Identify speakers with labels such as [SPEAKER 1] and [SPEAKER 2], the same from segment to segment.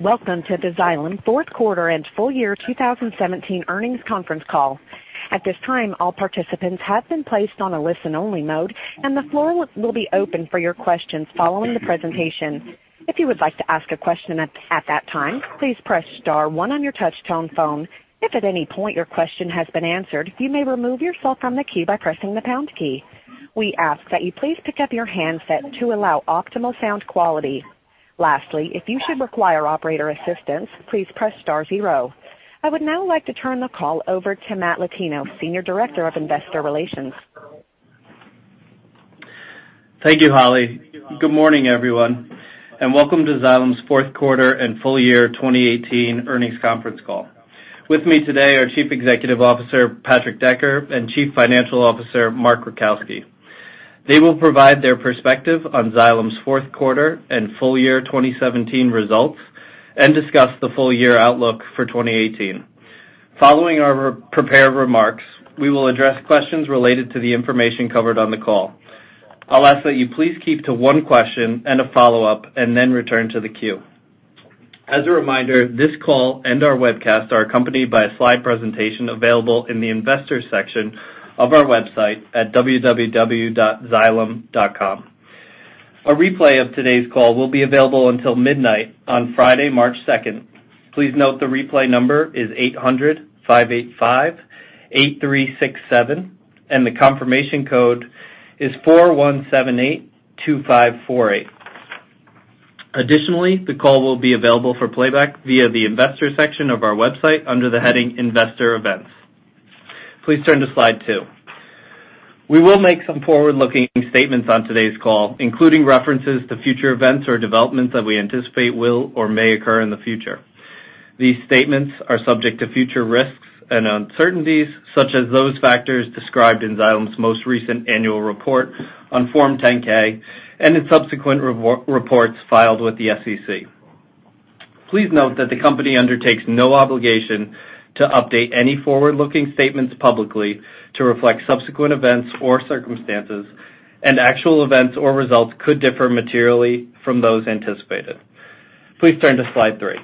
[SPEAKER 1] Welcome to the Xylem fourth quarter and full year 2017 earnings conference call. At this time, all participants have been placed on a listen-only mode. The floor will be open for your questions following the presentation. If you would like to ask a question at that time, please press star one on your touch-tone phone. If at any point your question has been answered, you may remove yourself from the queue by pressing the pound key. We ask that you please pick up your handset to allow optimal sound quality. Lastly, if you should require operator assistance, please press star zero. I would now like to turn the call over to Matt Latino, Senior Director, Investor Relations.
[SPEAKER 2] Thank you, Holly. Good morning, everyone. Welcome to Xylem's fourth quarter and full year 2018 earnings conference call. With me today are Chief Executive Officer, Patrick Decker, and Chief Financial Officer, Mark Rajkowski. They will provide their perspective on Xylem's fourth quarter and full year 2017 results and discuss the full-year outlook for 2018. Following our prepared remarks, we will address questions related to the information covered on the call. I will ask that you please keep to one question and a follow-up, then return to the queue. As a reminder, this call and our webcast are accompanied by a slide presentation available in the Investors section of our website at www.xylem.com. A replay of today's call will be available until midnight on Friday, March 2nd. Please note the replay number is 800-585-8367. The confirmation code is 41782548. Additionally, the call will be available for playback via the Investors section of our website under the heading Investor Events. Please turn to slide two. We will make some forward-looking statements on today's call, including references to future events or developments that we anticipate will or may occur in the future. These statements are subject to future risks and uncertainties, such as those factors described in Xylem's most recent annual report on Form 10-K and in subsequent reports filed with the SEC. Please note that the company undertakes no obligation to update any forward-looking statements publicly to reflect subsequent events or circumstances. Actual events or results could differ materially from those anticipated. Please turn to slide three.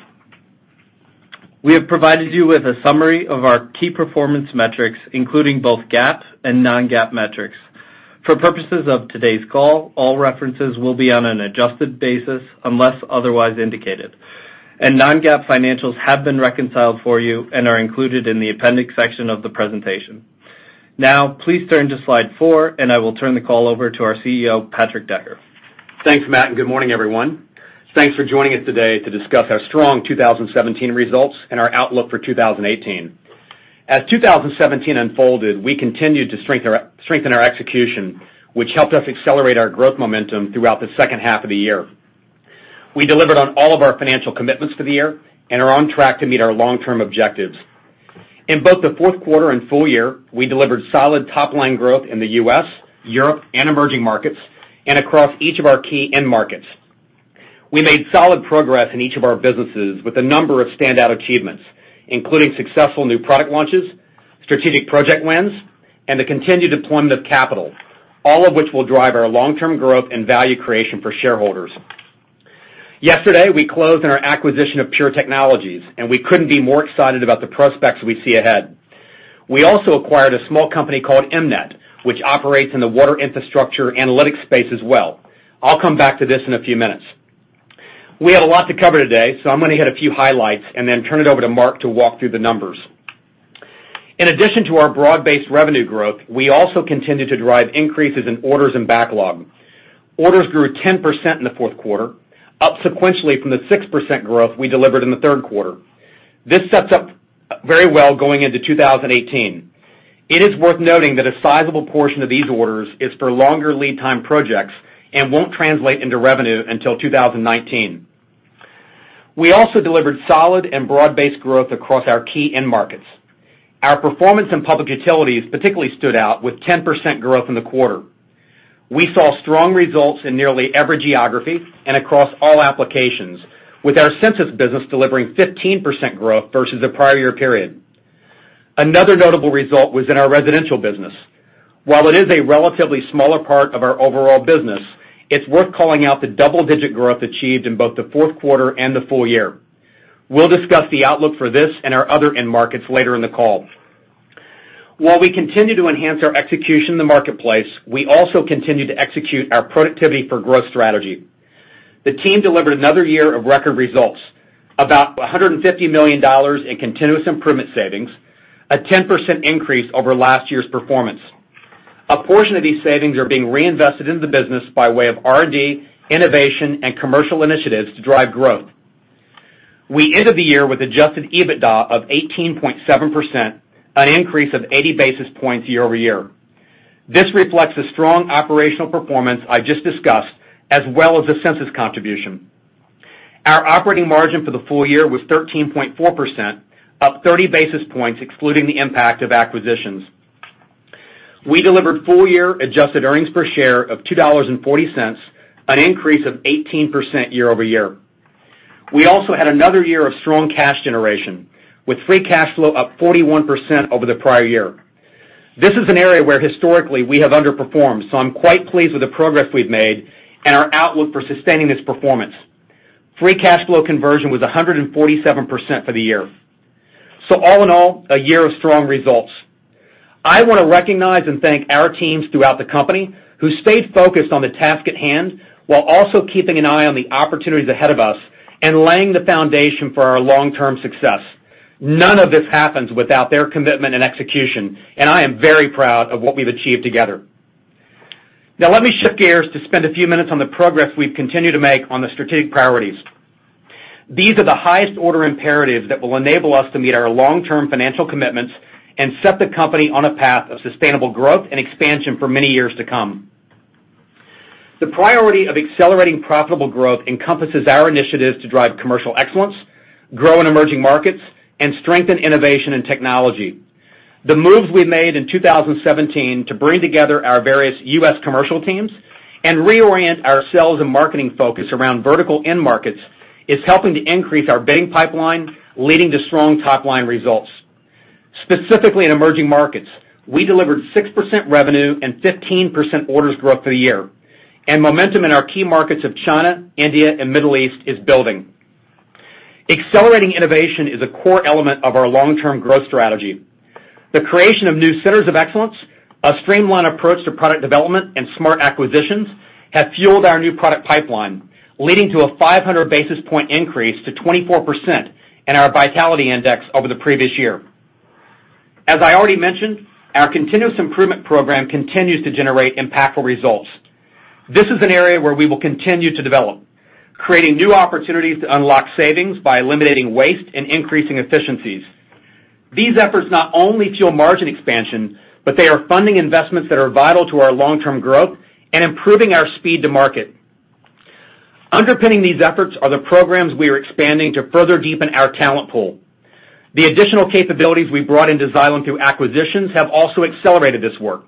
[SPEAKER 2] We have provided you with a summary of our key performance metrics, including both GAAP and non-GAAP metrics. For purposes of today's call, all references will be on an adjusted basis unless otherwise indicated. Non-GAAP financials have been reconciled for you and are included in the appendix section of the presentation. Now, please turn to slide four. I will turn the call over to our CEO, Patrick Decker.
[SPEAKER 3] Thanks, Matt. Good morning, everyone. Thanks for joining us today to discuss our strong 2017 results and our outlook for 2018. As 2017 unfolded, we continued to strengthen our execution, which helped us accelerate our growth momentum throughout the second half of the year. We delivered on all of our financial commitments for the year and are on track to meet our long-term objectives. In both the fourth quarter and full year, we delivered solid top-line growth in the U.S., Europe, and emerging markets, and across each of our key end markets. We made solid progress in each of our businesses with a number of standout achievements, including successful new product launches, strategic project wins, and the continued deployment of capital, all of which will drive our long-term growth and value creation for shareholders. Yesterday, we closed on our acquisition of Pure Technologies. We couldn't be more excited about the prospects we see ahead. We also acquired a small company called EmNet, which operates in the water infrastructure analytics space as well. I'll come back to this in a few minutes. We have a lot to cover today. I'm going to hit a few highlights and then turn it over to Mark to walk through the numbers. In addition to our broad-based revenue growth, we also continued to drive increases in orders and backlog. Orders grew 10% in the fourth quarter, up sequentially from the 6% growth we delivered in the third quarter. This sets up very well going into 2018. It is worth noting that a sizable portion of these orders is for longer lead time projects and won't translate into revenue until 2019. We also delivered solid and broad-based growth across our key end markets. Our performance in public utilities particularly stood out with 10% growth in the quarter. We saw strong results in nearly every geography and across all applications, with our Sensus business delivering 15% growth versus the prior year period. Another notable result was in our residential business. While it is a relatively smaller part of our overall business, it's worth calling out the double-digit growth achieved in both the fourth quarter and the full year. We'll discuss the outlook for this and our other end markets later in the call. While we continue to enhance our execution in the marketplace, we also continue to execute our productivity for growth strategy. The team delivered another year of record results, about $150 million in continuous improvement savings, a 10% increase over last year's performance. A portion of these savings are being reinvested in the business by way of R&D, innovation, and commercial initiatives to drive growth. We end of the year with adjusted EBITDA of 18.7%, an increase of 80 basis points year-over-year. This reflects the strong operational performance I just discussed, as well as the Sensus contribution. Our operating margin for the full year was 13.4%, up 30 basis points excluding the impact of acquisitions. We delivered full-year adjusted earnings per share of $2.40, an increase of 18% year-over-year. We also had another year of strong cash generation, with free cash flow up 41% over the prior year. This is an area where historically we have underperformed. I'm quite pleased with the progress we've made and our outlook for sustaining this performance. Free cash flow conversion was 147% for the year. All in all, a year of strong results. I want to recognize and thank our teams throughout the company who stayed focused on the task at hand, while also keeping an eye on the opportunities ahead of us and laying the foundation for our long-term success. None of this happens without their commitment and execution, and I am very proud of what we've achieved together. Now let me shift gears to spend a few minutes on the progress we've continued to make on the strategic priorities. These are the highest order imperatives that will enable us to meet our long-term financial commitments and set the company on a path of sustainable growth and expansion for many years to come. The priority of accelerating profitable growth encompasses our initiatives to drive commercial excellence, grow in emerging markets, and strengthen innovation and technology. The moves we made in 2017 to bring together our various U.S. commercial teams and reorient our sales and marketing focus around vertical end markets is helping to increase our bidding pipeline, leading to strong top-line results. Specifically, in emerging markets, we delivered 6% revenue and 15% orders growth for the year, and momentum in our key markets of China, India, and Middle East is building. Accelerating innovation is a core element of our long-term growth strategy. The creation of new centers of excellence, a streamlined approach to product development, and smart acquisitions have fueled our new product pipeline, leading to a 500 basis point increase to 24% in our vitality index over the previous year. As I already mentioned, our continuous improvement program continues to generate impactful results. This is an area where we will continue to develop, creating new opportunities to unlock savings by eliminating waste and increasing efficiencies. These efforts not only fuel margin expansion, but they are funding investments that are vital to our long-term growth and improving our speed to market. Underpinning these efforts are the programs we are expanding to further deepen our talent pool. The additional capabilities we've brought into Xylem through acquisitions have also accelerated this work.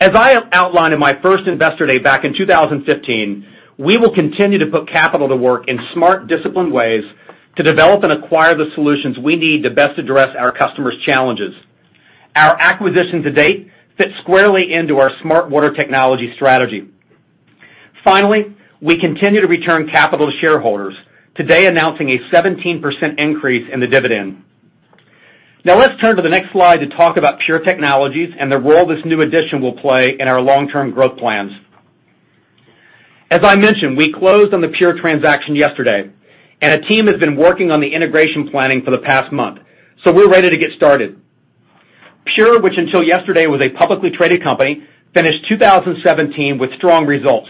[SPEAKER 3] As I outlined in my first Investor Day back in 2015, we will continue to put capital to work in smart, disciplined ways to develop and acquire the solutions we need to best address our customers' challenges. Our acquisitions to date fit squarely into our smart water technology strategy. Finally, we continue to return capital to shareholders, today announcing a 17% increase in the dividend. Now let's turn to the next slide to talk about Pure Technologies and the role this new addition will play in our long-term growth plans. As I mentioned, we closed on the Pure transaction yesterday, and a team has been working on the integration planning for the past month. We're ready to get started. Pure, which until yesterday was a publicly traded company, finished 2017 with strong results.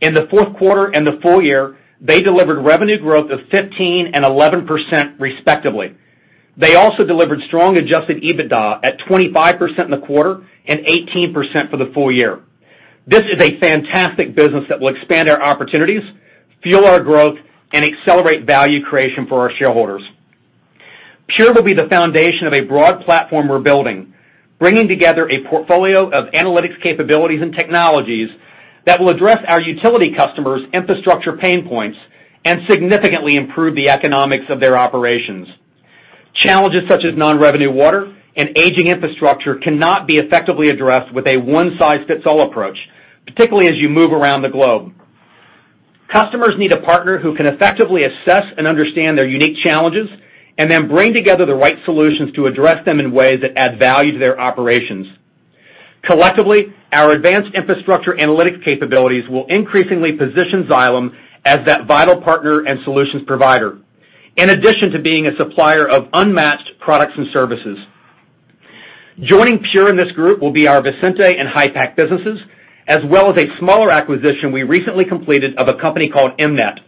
[SPEAKER 3] In the fourth quarter and the full year, they delivered revenue growth of 15% and 11%, respectively. They also delivered strong adjusted EBITDA at 25% in the quarter and 18% for the full year. This is a fantastic business that will expand our opportunities, fuel our growth, and accelerate value creation for our shareholders. Pure will be the foundation of a broad platform we're building, bringing together a portfolio of analytics capabilities and technologies that will address our utility customers' infrastructure pain points and significantly improve the economics of their operations. Challenges such as non-revenue water and aging infrastructure cannot be effectively addressed with a one-size-fits-all approach, particularly as you move around the globe. Customers need a partner who can effectively assess and understand their unique challenges, and then bring together the right solutions to address them in ways that add value to their operations. Collectively, our advanced infrastructure analytics capabilities will increasingly position Xylem as that vital partner and solutions provider, in addition to being a supplier of unmatched products and services. Joining Pure in this group will be our Visenti and HYPACK businesses, as well as a smaller acquisition we recently completed of a company called EmNet.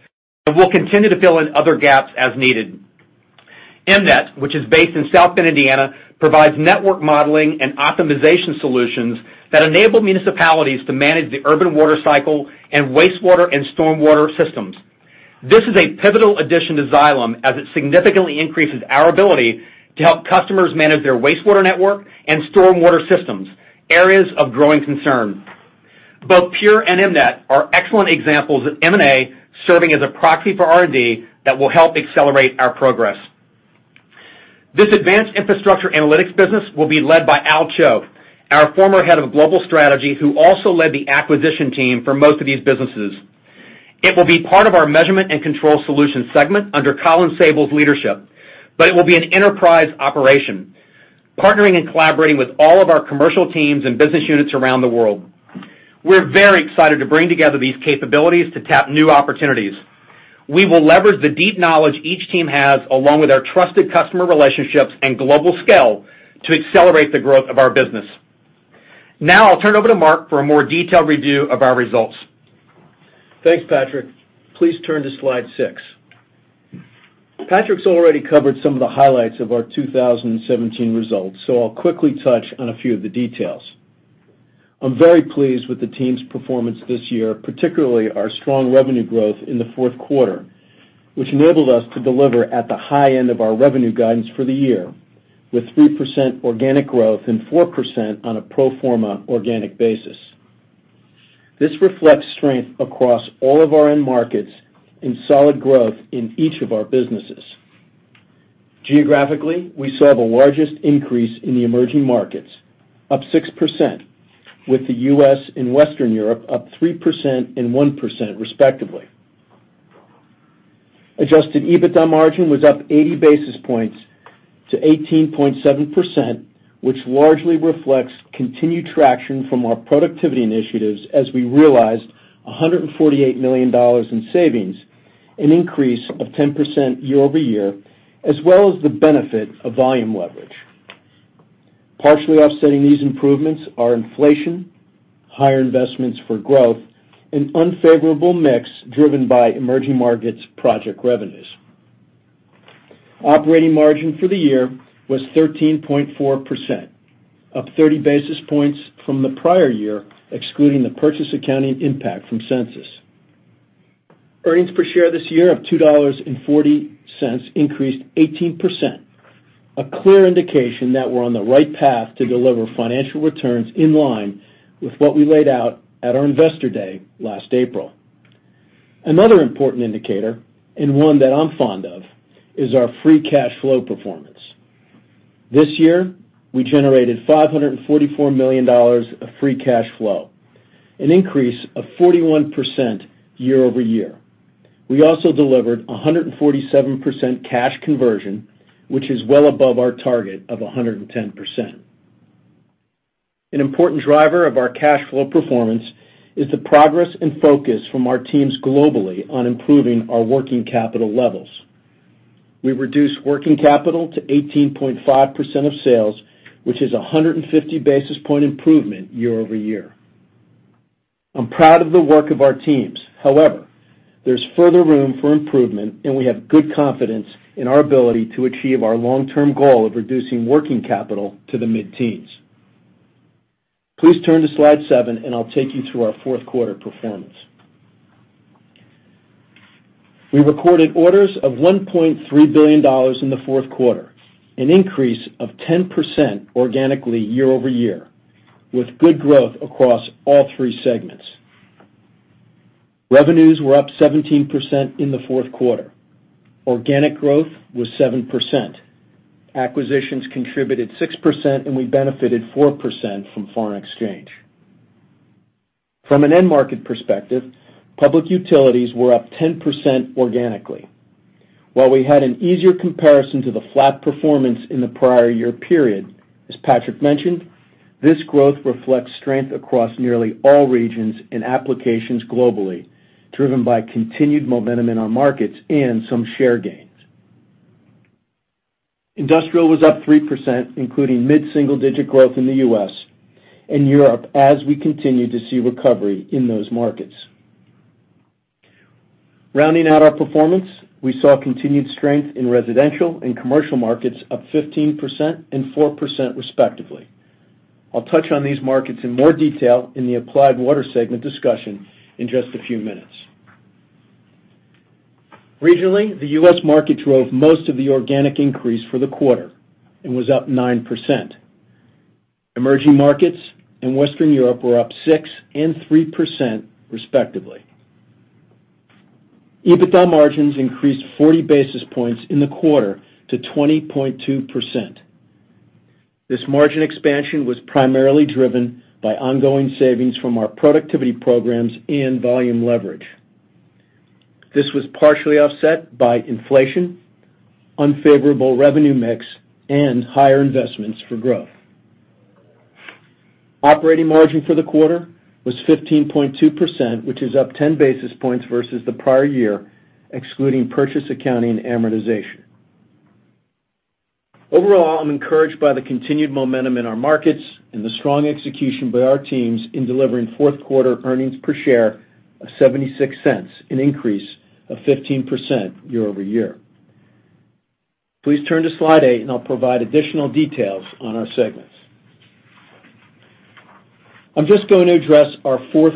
[SPEAKER 3] We'll continue to fill in other gaps as needed. EmNet, which is based in South Bend, Indiana, provides network modeling and optimization solutions that enable municipalities to manage the urban water cycle and wastewater and stormwater systems. This is a pivotal addition to Xylem, as it significantly increases our ability to help customers manage their wastewater network and stormwater systems, areas of growing concern. Both Pure and EmNet are excellent examples of M&A serving as a proxy for R&D that will help accelerate our progress. This advanced infrastructure analytics business will be led by Al Cho, our former head of global strategy, who also led the acquisition team for most of these businesses. It will be part of our Measurement and Control Solutions segment under Colin Sabol's leadership. It will be an enterprise operation, partnering and collaborating with all of our commercial teams and business units around the world. We're very excited to bring together these capabilities to tap new opportunities. We will leverage the deep knowledge each team has, along with our trusted customer relationships and global scale, to accelerate the growth of our business. I'll turn it over to Mark for a more detailed review of our results.
[SPEAKER 4] Thanks, Patrick. Please turn to slide six. Patrick's already covered some of the highlights of our 2017 results. I'll quickly touch on a few of the details. I'm very pleased with the team's performance this year, particularly our strong revenue growth in the fourth quarter, which enabled us to deliver at the high end of our revenue guidance for the year, with 3% organic growth and 4% on a pro forma organic basis. This reflects strength across all of our end markets and solid growth in each of our businesses. Geographically, we saw the largest increase in the emerging markets, up 6%, with the U.S. and Western Europe up 3% and 1% respectively. Adjusted EBITDA margin was up 80 basis points to 18.7%, which largely reflects continued traction from our productivity initiatives as we realized $148 million in savings, an increase of 10% year-over-year, as well as the benefit of volume leverage. Partially offsetting these improvements are inflation, higher investments for growth, and unfavorable mix driven by emerging markets project revenues. Operating margin for the year was 13.4%, up 30 basis points from the prior year, excluding the purchase accounting impact from Sensus. Earnings per share this year of $2.40 increased 18%, a clear indication that we're on the right path to deliver financial returns in line with what we laid out at our investor day last April. Another important indicator, and one that I'm fond of, is our free cash flow performance. This year, we generated $544 million of free cash flow, an increase of 41% year-over-year. We also delivered 147% cash conversion, which is well above our target of 110%. An important driver of our cash flow performance is the progress and focus from our teams globally on improving our working capital levels. We reduced working capital to 18.5% of sales, which is 150 basis point improvement year-over-year. I'm proud of the work of our teams. However, there's further room for improvement, and we have good confidence in our ability to achieve our long-term goal of reducing working capital to the mid-teens. Please turn to slide seven and I'll take you through our fourth quarter performance. We recorded orders of $1.3 billion in the fourth quarter, an increase of 10% organically year-over-year, with good growth across all three segments. Revenues were up 17% in the fourth quarter. Organic growth was 7%. Acquisitions contributed 6%, and we benefited 4% from foreign exchange. From an end market perspective, public utilities were up 10% organically. While we had an easier comparison to the flat performance in the prior year period, as Patrick mentioned, this growth reflects strength across nearly all regions and applications globally, driven by continued momentum in our markets and some share gains. Industrial was up 3%, including mid-single-digit growth in the U.S. and Europe as we continue to see recovery in those markets. Rounding out our performance, we saw continued strength in residential and commercial markets, up 15% and 4% respectively. I'll touch on these markets in more detail in the Applied Water segment discussion in just a few minutes. Regionally, the U.S. market drove most of the organic increase for the quarter and was up 9%. Emerging markets and Western Europe were up 6% and 3% respectively. EBITDA margins increased 40 basis points in the quarter to 20.2%. This margin expansion was primarily driven by ongoing savings from our productivity programs and volume leverage. This was partially offset by inflation, unfavorable revenue mix, and higher investments for growth. Operating margin for the quarter was 15.2%, which is up 10 basis points versus the prior year, excluding purchase accounting and amortization. Overall, I'm encouraged by the continued momentum in our markets and the strong execution by our teams in delivering fourth quarter earnings per share of $0.76, an increase of 15% year-over-year. Please turn to slide eight and I'll provide additional details on our segments. I'm just going to address our fourth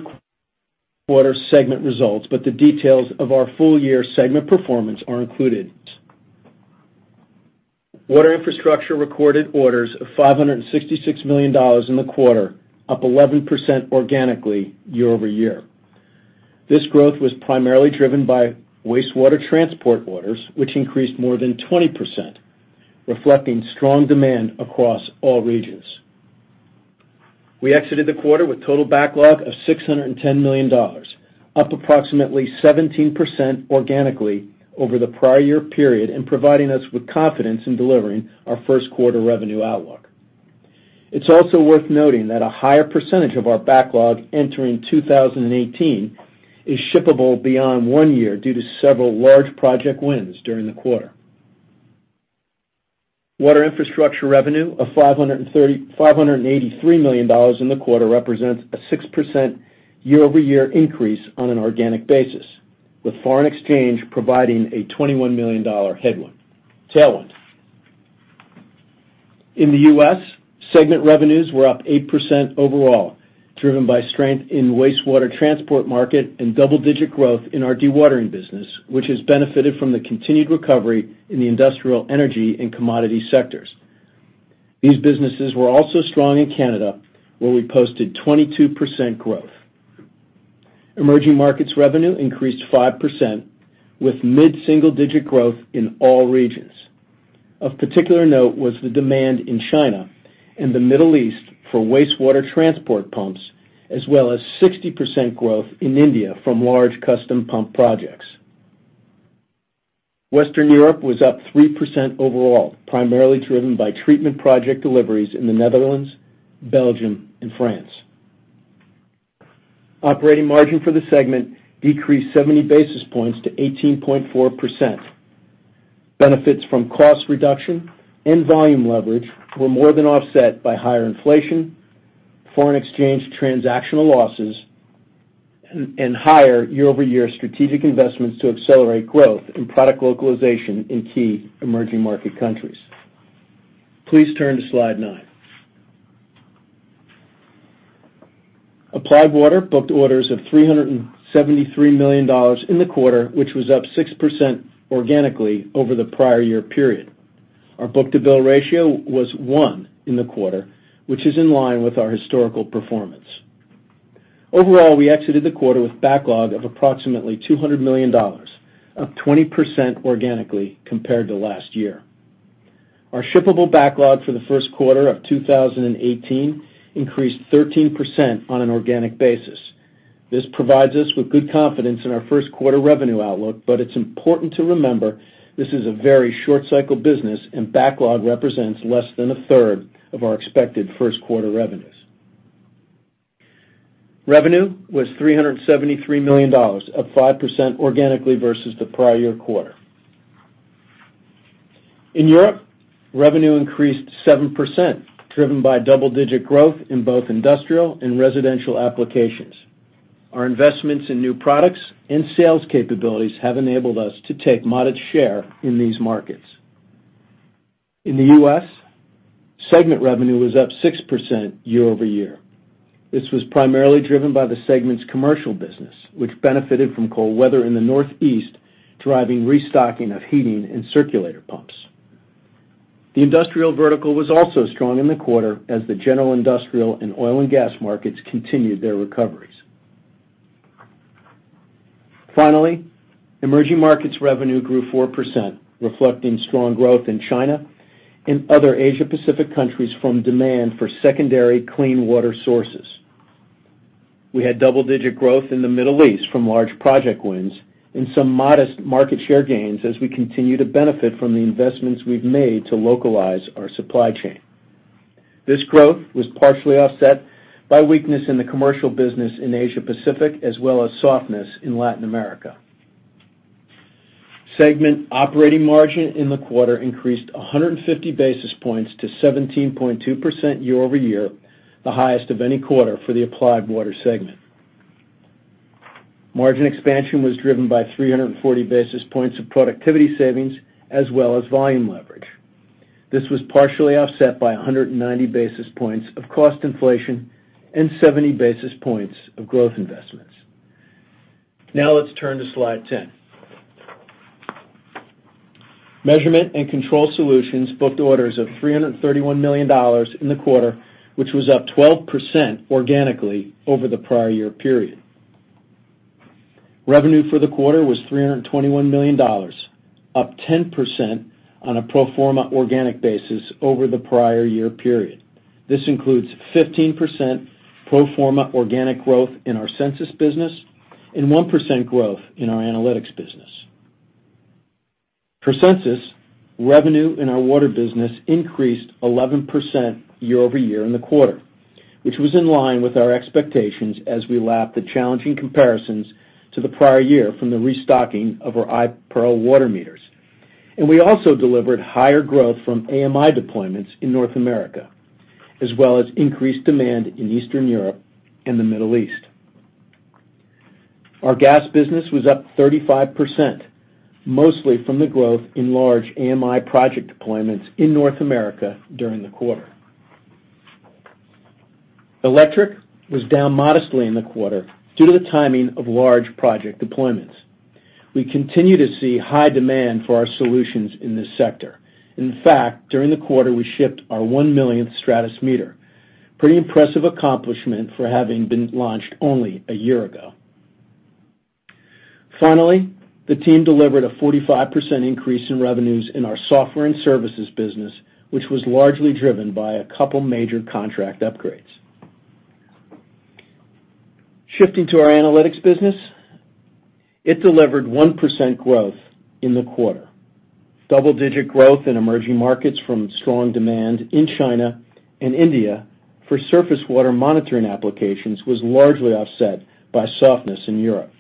[SPEAKER 4] quarter segment results, but the details of our full year segment performance are included. Water Infrastructure recorded orders of $566 million in the quarter, up 11% organically year-over-year. This growth was primarily driven by wastewater transport orders, which increased more than 20%, reflecting strong demand across all regions. We exited the quarter with total backlog of $610 million, up approximately 17% organically over the prior year period and providing us with confidence in delivering our first quarter revenue outlook. It's also worth noting that a higher percentage of our backlog entering 2018 is shippable beyond one year due to several large project wins during the quarter. Water Infrastructure revenue of $583 million in the quarter represents a 6% year-over-year increase on an organic basis, with foreign exchange providing a $21 million tailwind. In the U.S., segment revenues were up 8% overall, driven by strength in the wastewater transport market and double-digit growth in our dewatering business, which has benefited from the continued recovery in the industrial energy and commodity sectors. These businesses were also strong in Canada, where we posted 22% growth. Emerging markets revenue increased 5%, with mid-single-digit growth in all regions. Of particular note was the demand in China and the Middle East for wastewater transport pumps, as well as 60% growth in India from large custom pump projects. Western Europe was up 3% overall, primarily driven by treatment project deliveries in the Netherlands, Belgium, and France. Operating margin for the segment decreased 70 basis points to 18.4%. Benefits from cost reduction and volume leverage were more than offset by higher inflation, foreign exchange transactional losses, and higher year-over-year strategic investments to accelerate growth and product localization in key emerging market countries. Please turn to slide nine. Applied Water booked orders of $373 million in the quarter, which was up 6% organically over the prior year period. Our book-to-bill ratio was one in the quarter, which is in line with our historical performance. Overall, we exited the quarter with backlog of approximately $200 million, up 20% organically compared to last year. Our shippable backlog for the first quarter of 2018 increased 13% on an organic basis. This provides us with good confidence in our first quarter revenue outlook, but it's important to remember this is a very short cycle business, and backlog represents less than a third of our expected first-quarter revenues. Revenue was $373 million, up 5% organically versus the prior year quarter. In Europe, revenue increased 7%, driven by double-digit growth in both industrial and residential applications. Our investments in new products and sales capabilities have enabled us to take modest share in these markets. In the U.S., segment revenue was up 6% year-over-year. This was primarily driven by the segment's commercial business, which benefited from cold weather in the Northeast, driving restocking of heating and circulator pumps. The industrial vertical was also strong in the quarter as the general industrial and oil and gas markets continued their recoveries. Finally, emerging markets revenue grew 4%, reflecting strong growth in China and other Asia Pacific countries from demand for secondary clean water sources. We had double-digit growth in the Middle East from large project wins and some modest market share gains as we continue to benefit from the investments we've made to localize our supply chain. This growth was partially offset by weakness in the commercial business in Asia Pacific as well as softness in Latin America. Segment operating margin in the quarter increased 150 basis points to 17.2% year-over-year, the highest of any quarter for the Applied Water segment. Margin expansion was driven by 340 basis points of productivity savings as well as volume leverage. This was partially offset by 190 basis points of cost inflation and 70 basis points of growth investments. Let's turn to slide 10. Measurement and Control Solutions booked orders of $331 million in the quarter, which was up 12% organically over the prior year period. Revenue for the quarter was $321 million, up 10% on a pro forma organic basis over the prior year period. This includes 15% pro forma organic growth in our Sensus business and 1% growth in our analytics business. For Sensus, revenue in our water business increased 11% year-over-year in the quarter, which was in line with our expectations as we lap the challenging comparisons to the prior year from the restocking of our iPERL water meters. We also delivered higher growth from AMI deployments in North America, as well as increased demand in Eastern Europe and the Middle East. Our gas business was up 35%, mostly from the growth in large AMI project deployments in North America during the quarter. Electric was down modestly in the quarter due to the timing of large project deployments. We continue to see high demand for our solutions in this sector. In fact, during the quarter, we shipped our 1 millionth Stratus meter. Pretty impressive accomplishment for having been launched only a year ago. Finally, the team delivered a 45% increase in revenues in our software and services business, which was largely driven by a couple major contract upgrades. Shifting to our analytics business, it delivered 1% growth in the quarter. Double-digit growth in emerging markets from strong demand in China and India for surface water monitoring applications was largely offset by softness in Europe.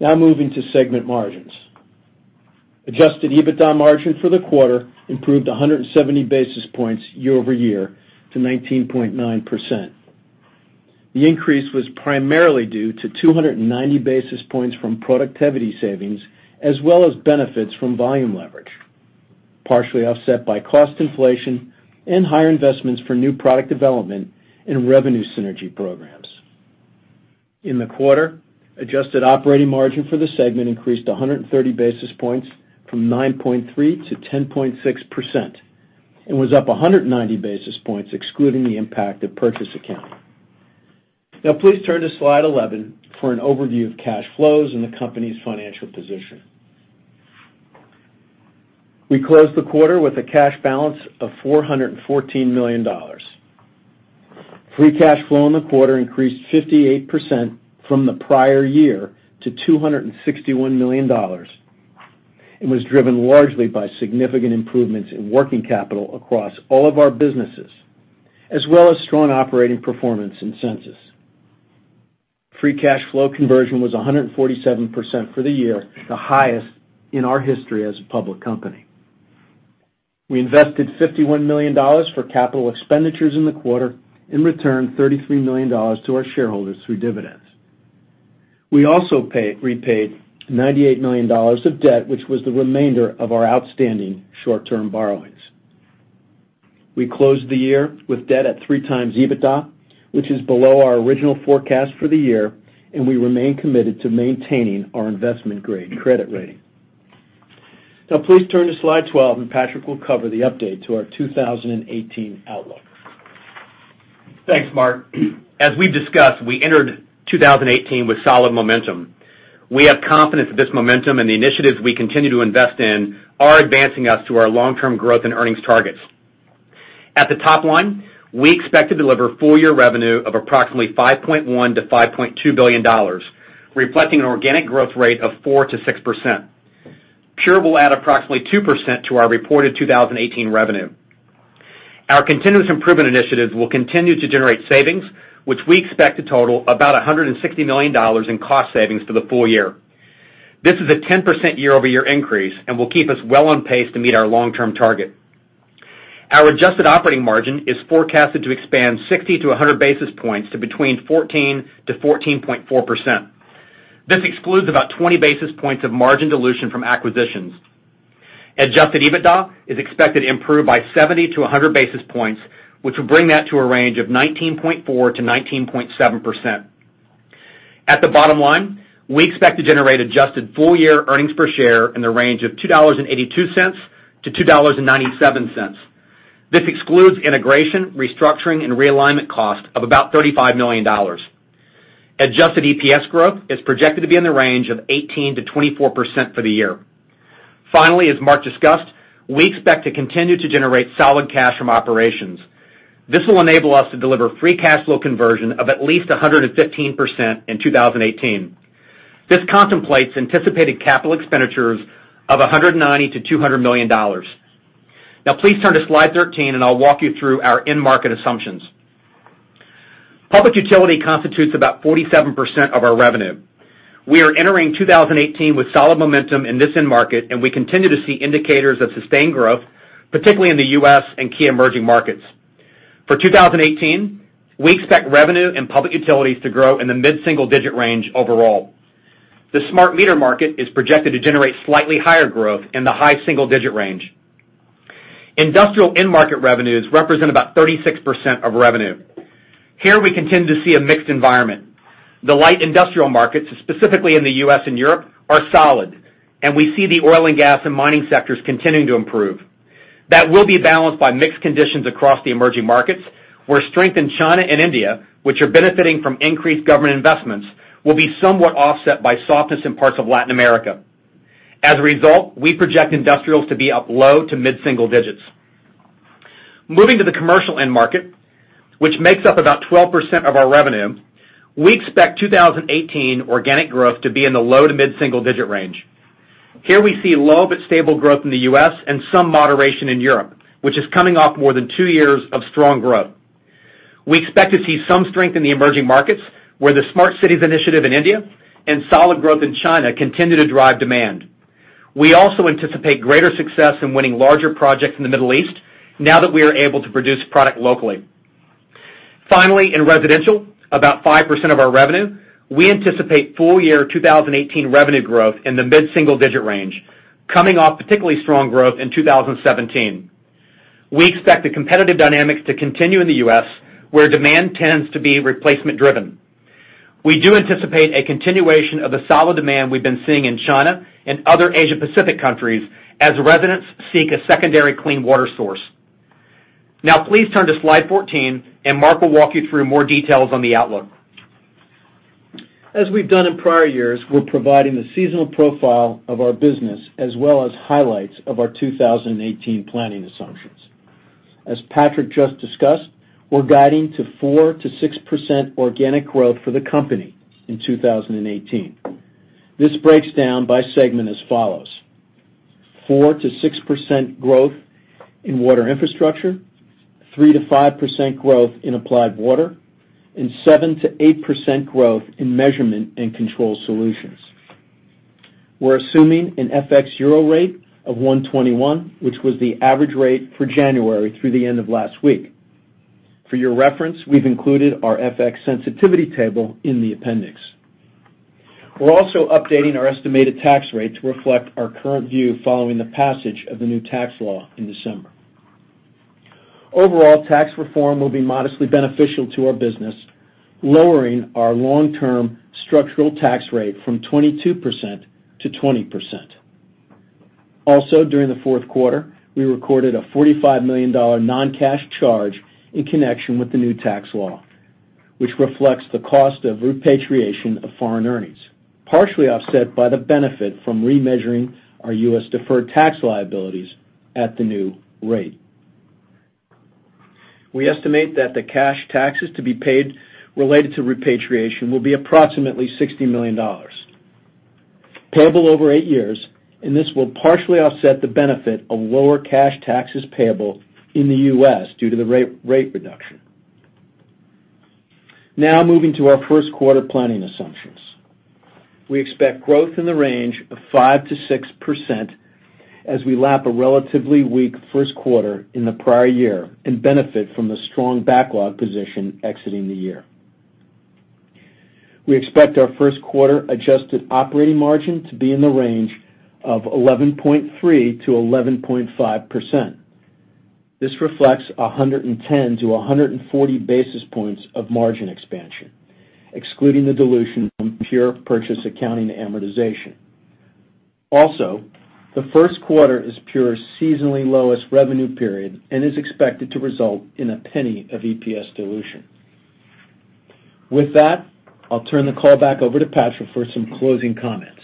[SPEAKER 4] Moving to segment margins. Adjusted EBITDA margin for the quarter improved 170 basis points year-over-year to 19.9%. The increase was primarily due to 290 basis points from productivity savings, as well as benefits from volume leverage, partially offset by cost inflation and higher investments for new product development and revenue synergy programs. In the quarter, adjusted operating margin for the segment increased 130 basis points from 9.3%-10.6%, and was up 190 basis points excluding the impact of purchase accounting. Please turn to slide 11 for an overview of cash flows and the company's financial position. We closed the quarter with a cash balance of $414 million. Free cash flow in the quarter increased 58% from the prior year to $261 million, and was driven largely by significant improvements in working capital across all of our businesses, as well as strong operating performance in Sensus. Free cash flow conversion was 147% for the year, the highest in our history as a public company. We invested $51 million for capital expenditures in the quarter and returned $33 million to our shareholders through dividends. We also repaid $98 million of debt, which was the remainder of our outstanding short-term borrowings. We closed the year with debt at three times EBITDA, which is below our original forecast for the year, and we remain committed to maintaining our investment-grade credit rating. Please turn to slide 12, and Patrick will cover the update to our 2018 outlook.
[SPEAKER 3] Thanks, Mark. As we've discussed, we entered 2018 with solid momentum. We have confidence that this momentum and the initiatives we continue to invest in are advancing us to our long-term growth and earnings targets. At the top line, we expect to deliver full-year revenue of approximately $5.1 billion-$5.2 billion, reflecting an organic growth rate of 4%-6%. Pure will add approximately 2% to our reported 2018 revenue. Our continuous improvement initiatives will continue to generate savings, which we expect to total about $160 million in cost savings for the full year. This is a 10% year-over-year increase and will keep us well on pace to meet our long-term target. Our adjusted operating margin is forecasted to expand 60 to 100 basis points to between 14% and 14.4%. This excludes about 20 basis points of margin dilution from acquisitions. Adjusted EBITDA is expected to improve by 70 to 100 basis points, which will bring that to a range of 19.4%-19.7%. At the bottom line, we expect to generate adjusted full-year earnings per share in the range of $2.82-$2.97. This excludes integration, restructuring, and realignment cost of about $35 million. Adjusted EPS growth is projected to be in the range of 18%-24% for the year. Finally, as Mark discussed, we expect to continue to generate solid cash from operations. This will enable us to deliver free cash flow conversion of at least 115% in 2018. This contemplates anticipated capital expenditures of $190 million-$200 million. Please turn to slide 13, and I'll walk you through our end market assumptions. Public Utility constitutes about 47% of our revenue. We are entering 2018 with solid momentum in this end market, and we continue to see indicators of sustained growth, particularly in the U.S. and key emerging markets. For 2018, we expect revenue in Public Utilities to grow in the mid-single-digit range overall. The smart meter market is projected to generate slightly higher growth in the high single-digit range. Industrial end-market revenues represent about 36% of revenue. Here we continue to see a mixed environment. The light industrial markets, specifically in the U.S. and Europe, are solid, and we see the oil and gas and mining sectors continuing to improve. That will be balanced by mixed conditions across the emerging markets, where strength in China and India, which are benefiting from increased government investments, will be somewhat offset by softness in parts of Latin America. As a result, we project Industrials to be up low- to mid-single digits. Moving to the Commercial end market, which makes up about 12% of our revenue, we expect 2018 organic growth to be in the low- to mid-single-digit range. Here we see low but stable growth in the U.S. and some moderation in Europe, which is coming off more than two years of strong growth. We expect to see some strength in the emerging markets, where the Smart Cities initiative in India and solid growth in China continue to drive demand. We also anticipate greater success in winning larger projects in the Middle East now that we are able to produce product locally. Finally, in Residential, about 5% of our revenue, we anticipate full-year 2018 revenue growth in the mid-single-digit range, coming off particularly strong growth in 2017. We expect the competitive dynamics to continue in the U.S., where demand tends to be replacement driven. We do anticipate a continuation of the solid demand we've been seeing in China and other Asia-Pacific countries as residents seek a secondary clean water source. Now please turn to slide 14, and Mark will walk you through more details on the outlook.
[SPEAKER 4] As we've done in prior years, we're providing the seasonal profile of our business as well as highlights of our 2018 planning assumptions. As Patrick just discussed, we're guiding to 4%-6% organic growth for the company in 2018. This breaks down by segment as follows: 4%-6% growth in Water Infrastructure, 3%-5% growth in Applied Water, and 7%-8% growth in Measurement and Control Solutions. We're assuming an FX EUR rate of 121, which was the average rate for January through the end of last week. For your reference, we've included our FX sensitivity table in the appendix. We're also updating our estimated tax rate to reflect our current view following the passage of the new tax law in December. Overall, tax reform will be modestly beneficial to our business, lowering our long-term structural tax rate from 22%-20%. During the fourth quarter, we recorded a $45 million non-cash charge in connection with the new tax law, which reflects the cost of repatriation of foreign earnings, partially offset by the benefit from remeasuring our U.S. deferred tax liabilities at the new rate. We estimate that the cash taxes to be paid related to repatriation will be approximately $60 million, payable over eight years, and this will partially offset the benefit of lower cash taxes payable in the U.S. due to the rate reduction. Now moving to our first quarter planning assumptions. We expect growth in the range of 5%-6% as we lap a relatively weak first quarter in the prior year and benefit from the strong backlog position exiting the year. We expect our first quarter adjusted operating margin to be in the range of 11.3%-11.5%. This reflects 110-140 basis points of margin expansion, excluding the dilution from Pure purchase accounting amortization. The first quarter is Pure's seasonally lowest revenue period and is expected to result in a $0.01 of EPS dilution. With that, I'll turn the call back over to Patrick for some closing comments.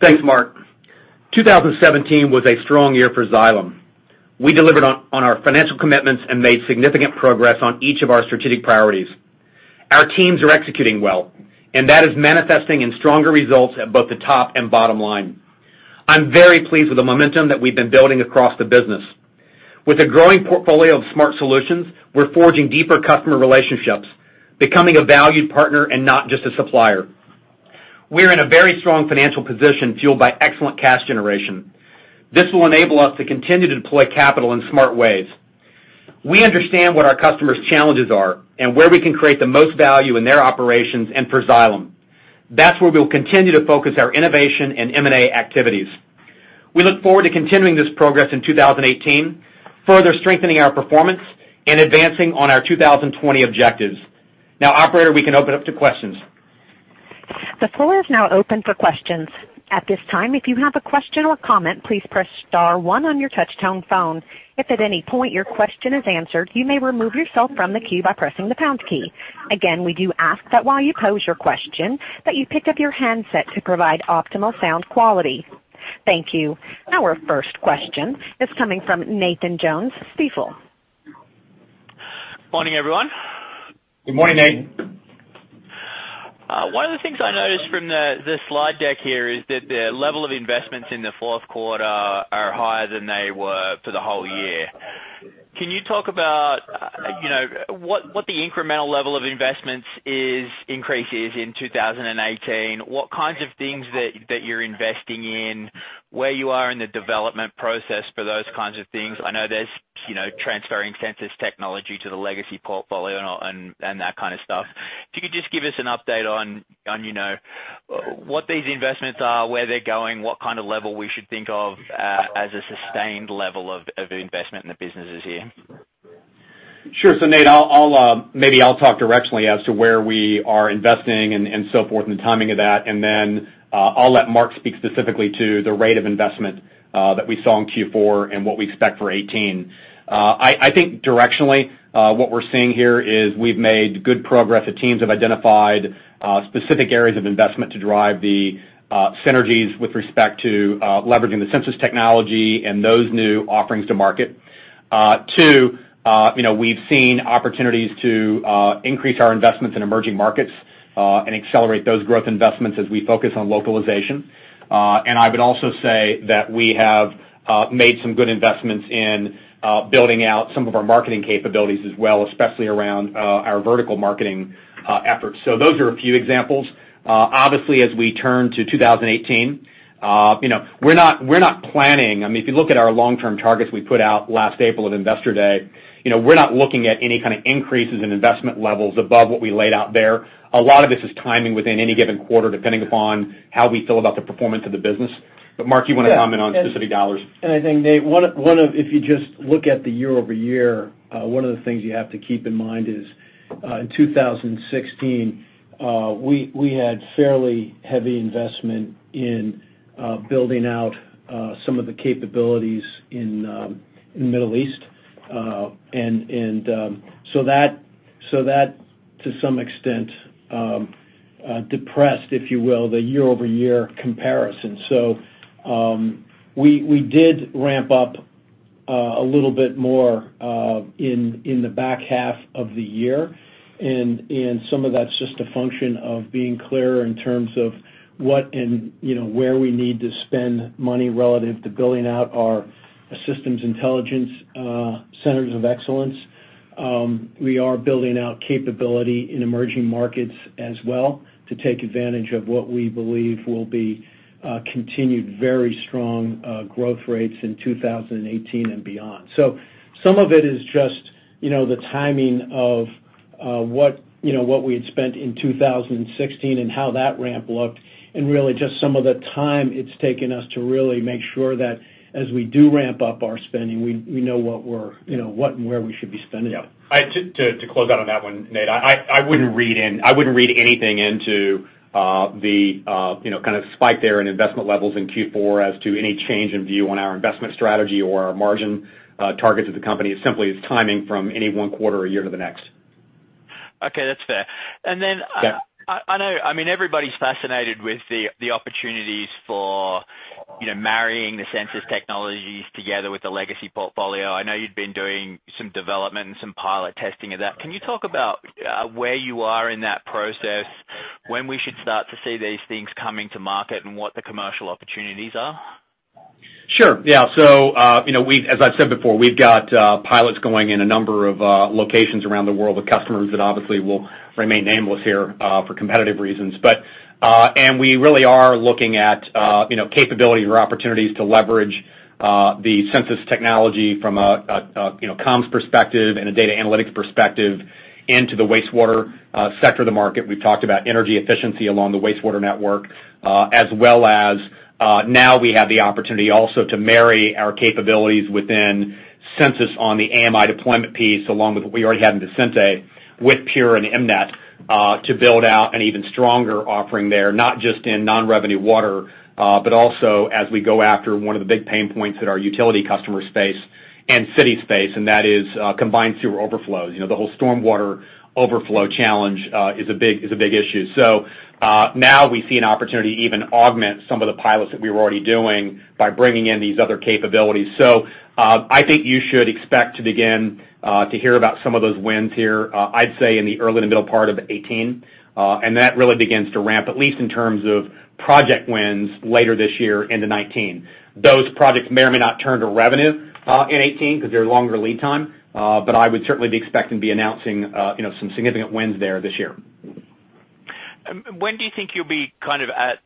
[SPEAKER 3] Thanks, Mark. 2017 was a strong year for Xylem. We delivered on our financial commitments and made significant progress on each of our strategic priorities. Our teams are executing well, and that is manifesting in stronger results at both the top and bottom line. I'm very pleased with the momentum that we've been building across the business. With a growing portfolio of smart solutions, we're forging deeper customer relationships, becoming a valued partner and not just a supplier. We're in a very strong financial position, fueled by excellent cash generation. This will enable us to continue to deploy capital in smart ways. We understand what our customers' challenges are and where we can create the most value in their operations and for Xylem. That's where we'll continue to focus our innovation and M&A activities. We look forward to continuing this progress in 2018, further strengthening our performance and advancing on our 2020 objectives. Now, operator, we can open up to questions.
[SPEAKER 1] The floor is now open for questions. At this time, if you have a question or comment, please press star one on your touch-tone phone. If at any point your question is answered, you may remove yourself from the queue by pressing the pound key. Again, we do ask that while you pose your question, that you pick up your handset to provide optimal sound quality. Thank you. Our first question is coming from Nathan Jones, Stifel.
[SPEAKER 5] Morning, everyone.
[SPEAKER 3] Good morning, Nathan.
[SPEAKER 5] One of the things I noticed from the slide deck here is that the level of investments in the fourth quarter are higher than they were for the whole year. Can you talk about what the incremental level of investments increase is in 2018, what kinds of things that you're investing in, where you are in the development process for those kinds of things? I know there's transferring Sensus technology to the legacy portfolio and that kind of stuff. If you could just give us an update on what these investments are, where they're going, what kind of level we should think of as a sustained level of investment in the businesses here.
[SPEAKER 3] Sure. Nate, maybe I'll talk directionally as to where we are investing and so forth and the timing of that. Then I'll let Mark speak specifically to the rate of investment that we saw in Q4 and what we expect for 2018. I think directionally, what we're seeing here is we've made good progress. The teams have identified specific areas of investment to drive the synergies with respect to leveraging the Sensus technology and those new offerings to market. Two, we've seen opportunities to increase our investments in emerging markets and accelerate those growth investments as we focus on localization. I would also say that we have made some good investments in building out some of our marketing capabilities as well, especially around our vertical marketing efforts. Those are a few examples. Obviously, as we turn to 2018, we're not planning, if you look at our long-term targets we put out last April at Investor Day, we're not looking at any kind of increases in investment levels above what we laid out there. A lot of this is timing within any given quarter, depending upon how we feel about the performance of the business. Mark, you want to comment on specific dollars?
[SPEAKER 4] I think, Nate, if you just look at the year-over-year, one of the things you have to keep in mind is, in 2016, we had fairly heavy investment in building out some of the capabilities in the Middle East. That, to some extent, depressed, if you will, the year-over-year comparison. We did ramp up a little bit more in the back half of the year, and some of that's just a function of being clearer in terms of what and where we need to spend money relative to building out our systems intelligence centers of excellence. We are building out capability in emerging markets as well to take advantage of what we believe will be continued very strong growth rates in 2018 and beyond. Some of it is just the timing of what we had spent in 2016 and how that ramp looked, and really just some of the time it's taken us to really make sure that as we do ramp up our spending, we know what and where we should be spending it.
[SPEAKER 3] To close out on that one, Nate, I wouldn't read anything into the spike there in investment levels in Q4 as to any change in view on our investment strategy or our margin targets as a company. It simply is timing from any one quarter or year to the next.
[SPEAKER 5] That's fair.
[SPEAKER 3] Yeah.
[SPEAKER 5] I know everybody's fascinated with the opportunities for marrying the Sensus technologies together with the legacy portfolio. I know you'd been doing some development and some pilot testing of that. Can you talk about where you are in that process, when we should start to see these things coming to market, and what the commercial opportunities are?
[SPEAKER 3] Sure. Yeah. As I've said before, we've got pilots going in a number of locations around the world with customers that obviously will remain nameless here for competitive reasons. We really are looking at capabilities or opportunities to leverage the Sensus technology from a comms perspective and a data analytics perspective into the wastewater sector of the market. We've talked about energy efficiency along the wastewater network, as well as now we have the opportunity also to marry our capabilities within Sensus on the AMI deployment piece, along with what we already have in Visenti with Pure and EmNet, to build out an even stronger offering there. Not just in non-revenue water, but also as we go after one of the big pain points that our utility customers face and city face, and that is combined sewer overflows. The whole stormwater overflow challenge is a big issue. Now we see an opportunity to even augment some of the pilots that we were already doing by bringing in these other capabilities. I think you should expect to begin to hear about some of those wins here, I'd say in the early to middle part of 2018. That really begins to ramp, at least in terms of project wins, later this year into 2019. Those projects may or may not turn to revenue in 2018, because they're longer lead time. I would certainly be expecting to be announcing some significant wins there this year.
[SPEAKER 5] When do you think you'll be at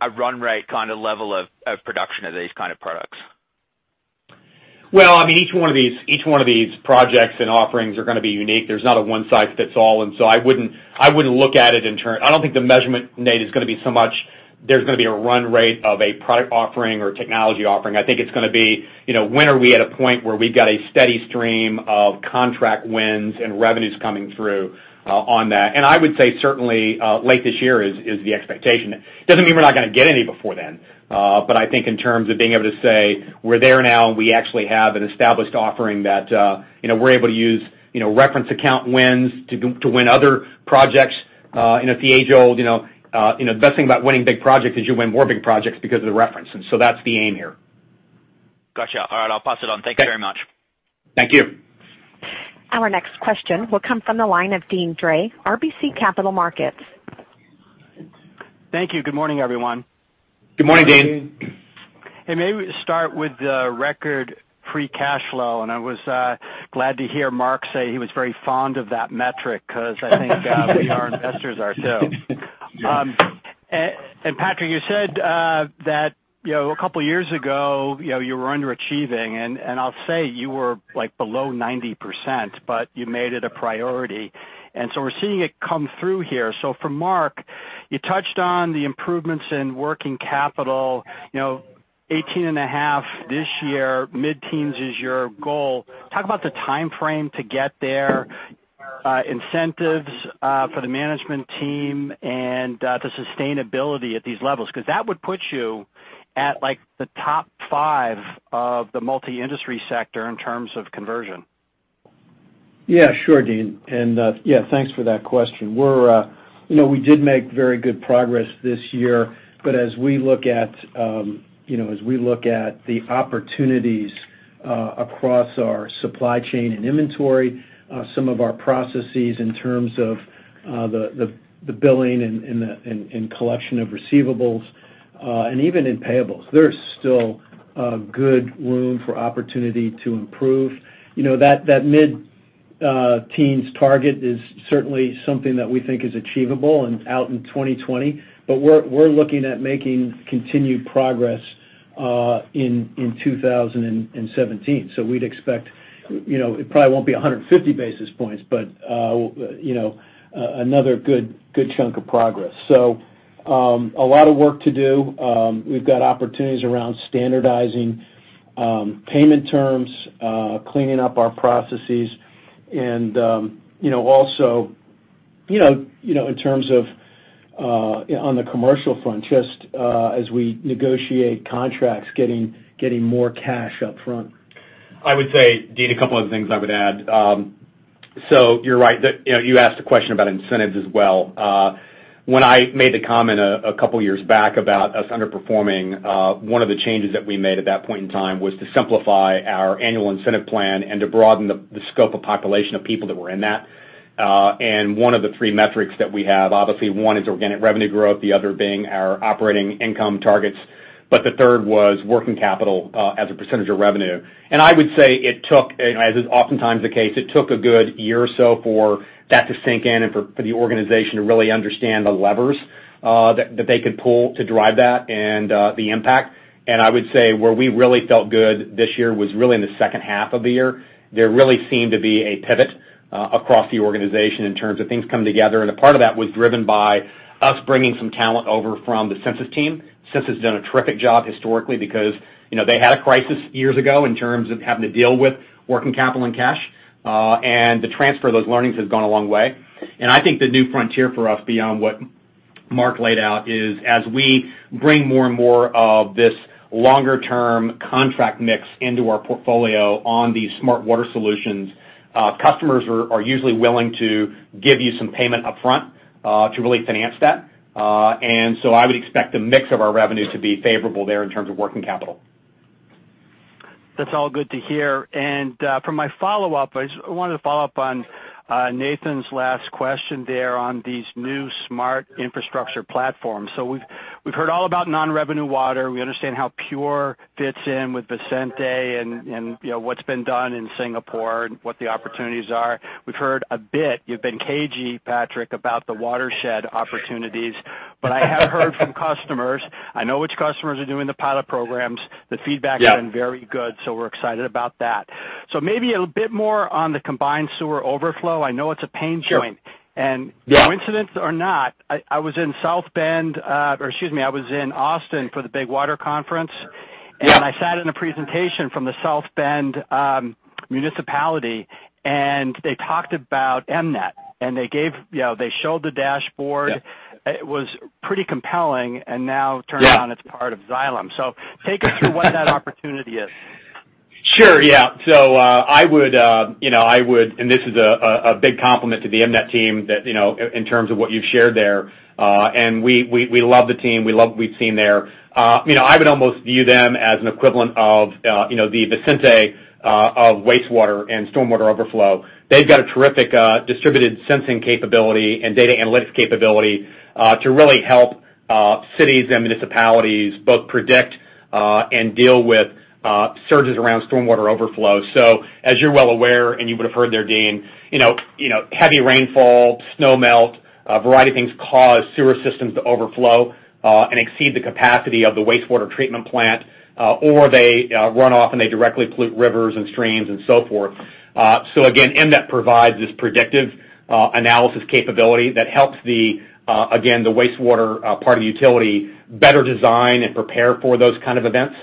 [SPEAKER 5] a run rate kind of level of production of these kind of products?
[SPEAKER 3] Well, each one of these projects and offerings are going to be unique. There's not a one size fits all. I wouldn't look at it. I don't think the measurement, Nate, is going to be so much there's going to be a run rate of a product offering or technology offering. I think it's going to be, when are we at a point where we've got a steady stream of contract wins and revenues coming through on that? I would say certainly late this year is the expectation. Doesn't mean we're not going to get any before then. I think in terms of being able to say, we're there now, and we actually have an established offering that we're able to use reference account wins to win other projects. The age-old, the best thing about winning big projects is you win more big projects because of the references. That's the aim here.
[SPEAKER 5] Got you. All right, I'll pass it on. Thank you very much.
[SPEAKER 3] Thank you.
[SPEAKER 1] Our next question will come from the line of Deane Dray, RBC Capital Markets.
[SPEAKER 6] Thank you. Good morning, everyone.
[SPEAKER 3] Good morning, Deane.
[SPEAKER 6] Maybe start with the record free cash flow. I was glad to hear Mark say he was very fond of that metric, because I think VR investors are, too. Patrick, you said that a couple of years ago, you were underachieving, I'll say you were below 90%, but you made it a priority. We're seeing it come through here. For Mark, you touched on the improvements in working capital, 18.5% this year, mid-teens is your goal. Talk about the timeframe to get there, incentives for the management team, and the sustainability at these levels. That would put you at the top 5 of the multi-industry sector in terms of conversion.
[SPEAKER 4] Yeah. Sure, Deane. Yeah, thanks for that question. We did make very good progress this year. As we look at the opportunities across our supply chain and inventory, some of our processes in terms of the billing and collection of receivables, even in payables, there's still good room for opportunity to improve. That mid-teens target is certainly something that we think is achievable and out in 2020. We're looking at making continued progress in 2017. We'd expect, it probably won't be 150 basis points, but another good chunk of progress. A lot of work to do. We've got opportunities around standardizing payment terms, cleaning up our processes, and also in terms of on the commercial front, just as we negotiate contracts, getting more cash up front.
[SPEAKER 3] I would say, Deane, a couple other things I would add. You're right. You asked a question about incentives as well. When I made the comment a couple of years back about us underperforming, one of the changes that we made at that point in time was to simplify our annual incentive plan and to broaden the scope of population of people that were in that. One of the three metrics that we have, obviously one is organic revenue growth, the other being our operating income targets. The third was working capital as a percentage of revenue. I would say it took, as is oftentimes the case, it took a good year or so for that to sink in and for the organization to really understand the levers that they could pull to drive that and the impact. I would say where we really felt good this year was really in the second half of the year. There really seemed to be a pivot across the organization in terms of things coming together, and a part of that was driven by us bringing some talent over from the Sensus team. Sensus has done a terrific job historically because they had a crisis years ago in terms of having to deal with working capital and cash. The transfer of those learnings has gone a long way. I think the new frontier for us, beyond what Mark laid out, is as we bring more and more of this longer-term contract mix into our portfolio on the Smart Water Solutions, customers are usually willing to give you some payment upfront to really finance that. I would expect the mix of our revenue to be favorable there in terms of working capital.
[SPEAKER 6] That's all good to hear. For my follow-up, I just wanted to follow up on Nathan's last question there on these new smart infrastructure platforms. We've heard all about non-revenue water. We understand how Pure fits in with Visenti and what's been done in Singapore and what the opportunities are. We've heard a bit, you've been cagey, Patrick, about the Watershed opportunities. I have heard from customers. I know which customers are doing the pilot programs.
[SPEAKER 3] Yeah.
[SPEAKER 6] The feedback has been very good, we're excited about that. Maybe a bit more on the combined sewer overflow. I know it's a pain point.
[SPEAKER 3] Sure, yeah.
[SPEAKER 6] Coincidence or not, I was in South Bend, or excuse me, I was in Austin for the Big Water Conference.
[SPEAKER 3] Yeah.
[SPEAKER 6] I sat in a presentation from the South Bend municipality, and they talked about EmNet, and they showed the dashboard.
[SPEAKER 3] Yeah.
[SPEAKER 6] It was pretty compelling.
[SPEAKER 3] Yeah
[SPEAKER 6] It's part of Xylem. Take us through what that opportunity is.
[SPEAKER 3] Sure. Yeah. I would, and this is a big compliment to the EmNet team that in terms of what you've shared there. We love the team. We love what we've seen there. I would almost view them as an equivalent of the Visenti of wastewater and stormwater overflow. They've got a terrific distributed sensing capability and data analytics capability, to really help cities and municipalities both predict and deal with surges around stormwater overflow. As you're well aware, and you would've heard there, Deane, heavy rainfall, snow melt, a variety of things cause sewer systems to overflow, and exceed the capacity of the wastewater treatment plant, or they run off and they directly pollute rivers and streams and so forth. Again, EmNet provides this predictive analysis capability that helps the wastewater part of the utility better design and prepare for those kind of events.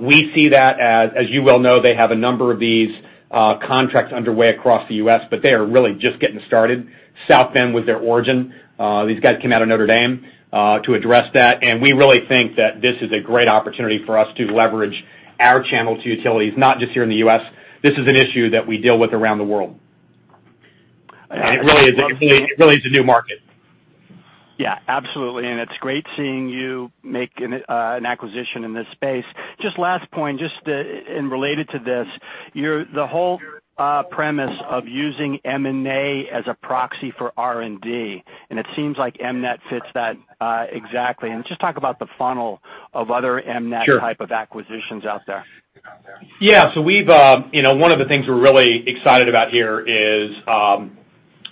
[SPEAKER 3] We see that, as you well know, they have a number of these contracts underway across the U.S., but they are really just getting started. South Bend was their origin. These guys came out of Notre Dame to address that. We really think that this is a great opportunity for us to leverage our channel to utilities, not just here in the U.S. This is an issue that we deal with around the world. It really is a new market.
[SPEAKER 6] Absolutely, it's great seeing you make an acquisition in this space. Just last point, related to this, the whole premise of using M&A as a proxy for R&D. It seems like EmNet fits that exactly. Just talk about the funnel of other EmNet-
[SPEAKER 3] Sure
[SPEAKER 6] type of acquisitions out there.
[SPEAKER 3] One of the things we're really excited about here is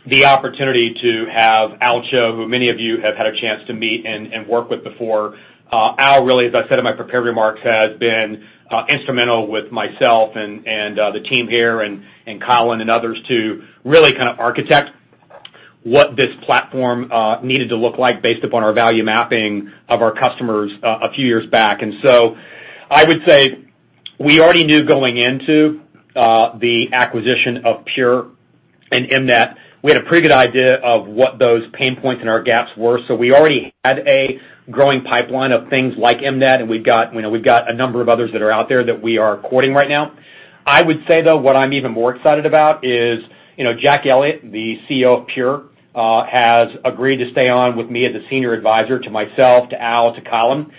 [SPEAKER 3] the opportunity to have Al Cho, who many of you have had a chance to meet and work with before. Al really, as I said in my prepared remarks, has been instrumental with myself and the team here, and Colin and others to really kind of architect what this platform needed to look like based upon our value mapping of our customers a few years back. I would say we already knew going into the acquisition of Pure and EmNet. We had a pretty good idea of what those pain points and our gaps were. We already had a growing pipeline of things like EmNet. We've got a number of others that are out there that we are courting right now. I would say, though, what I'm even more excited about is Jack Elliott, the CEO of Pure, has agreed to stay on with me as a senior advisor to myself, to Al, to Colin,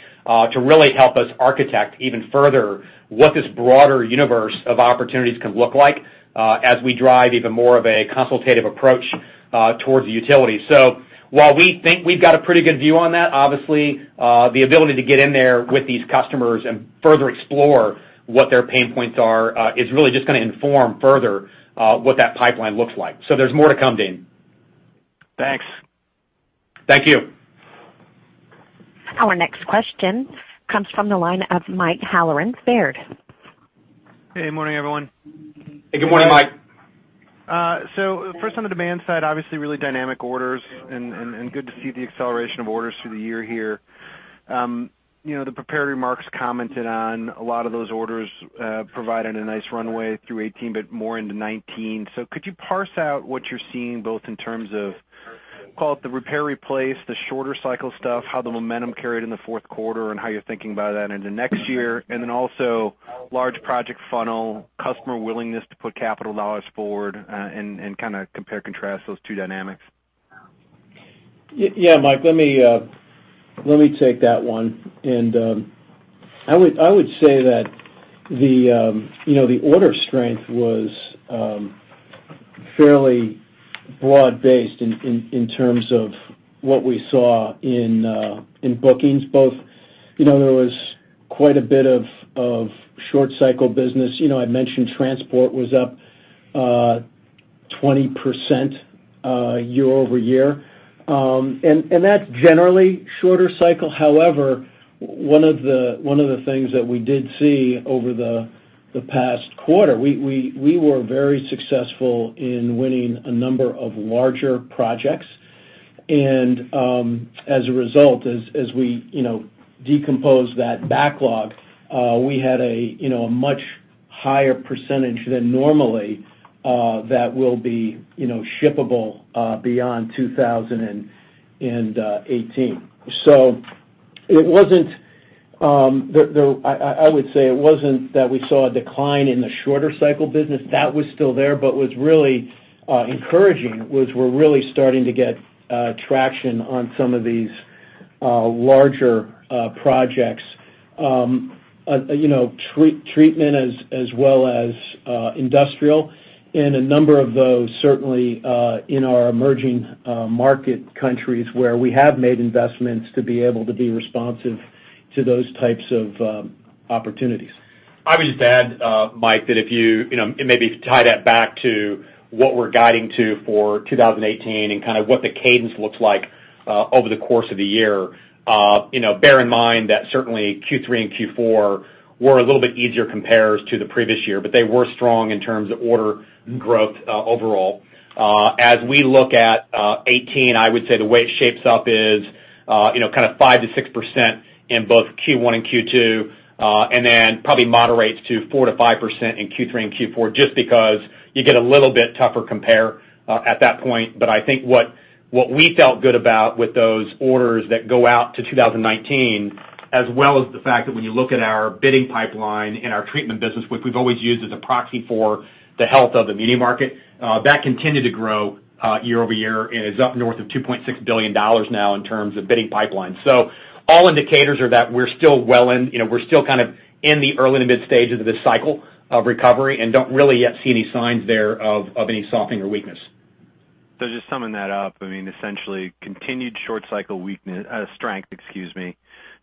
[SPEAKER 3] to really help us architect even further what this broader universe of opportunities can look like, as we drive even more of a consultative approach towards the utility. While we think we've got a pretty good view on that, obviously, the ability to get in there with these customers and further explore what their pain points are is really just going to inform further what that pipeline looks like. There's more to come, Deane.
[SPEAKER 6] Thanks.
[SPEAKER 3] Thank you.
[SPEAKER 1] Our next question comes from the line of Mike Halloran, Baird.
[SPEAKER 7] Hey, good morning, everyone.
[SPEAKER 3] Hey, good morning, Mike.
[SPEAKER 7] First on the demand side, obviously really dynamic orders and good to see the acceleration of orders through the year here. The prepared remarks commented on a lot of those orders provided a nice runway through 2018, but more into 2019. Could you parse out what you're seeing, both in terms of, call it the repair, replace, the shorter cycle stuff, how the momentum carried in the fourth quarter, and how you're thinking about that into next year? Also large project funnel, customer willingness to put capital dollars forward, and kind of compare and contrast those two dynamics.
[SPEAKER 4] Yeah, Mike, let me take that one. I would say that the order strength was fairly broad-based in terms of what we saw in bookings both. There was quite a bit of short cycle business. I mentioned transport was up 20% year-over-year. That's generally shorter cycle. However, one of the things that we did see over the past quarter, we were very successful in winning a number of larger projects. As a result, as we decompose that backlog, we had a much higher percentage than normally, that will be shippable beyond 2018. I would say it wasn't that we saw a decline in the shorter cycle business. That was still there, but what's really encouraging was we're really starting to get traction on some of these larger projects. Treatment as well as industrial, a number of those certainly, in our emerging market countries where we have made investments to be able to be responsive to those types of opportunities.
[SPEAKER 3] I would just add, Mike, that if you maybe tie that back to what we're guiding to for 2018 and kind of what the cadence looks like over the course of the year. Bear in mind that certainly Q3 and Q4 were a little bit easier compares to the previous year, but they were strong in terms of order growth overall. As we look at 2018, I would say the way it shapes up is kind of 5%-6% in both Q1 and Q2, then probably moderates to 4%-5% in Q3 and Q4, just because you get a little bit tougher compare at that point. I think what we felt good about with those orders that go out to 2019, as well as the fact that when you look at our bidding pipeline and our treatment business, which we've always used as a proxy for the health of the media market, that continued to grow year-over-year and is up north of $2.6 billion now in terms of bidding pipeline. All indicators are that we're still kind of in the early to mid stages of this cycle of recovery and don't really yet see any signs there of any softening or weakness.
[SPEAKER 7] Just summing that up, essentially continued short cycle weakness, strength, excuse me,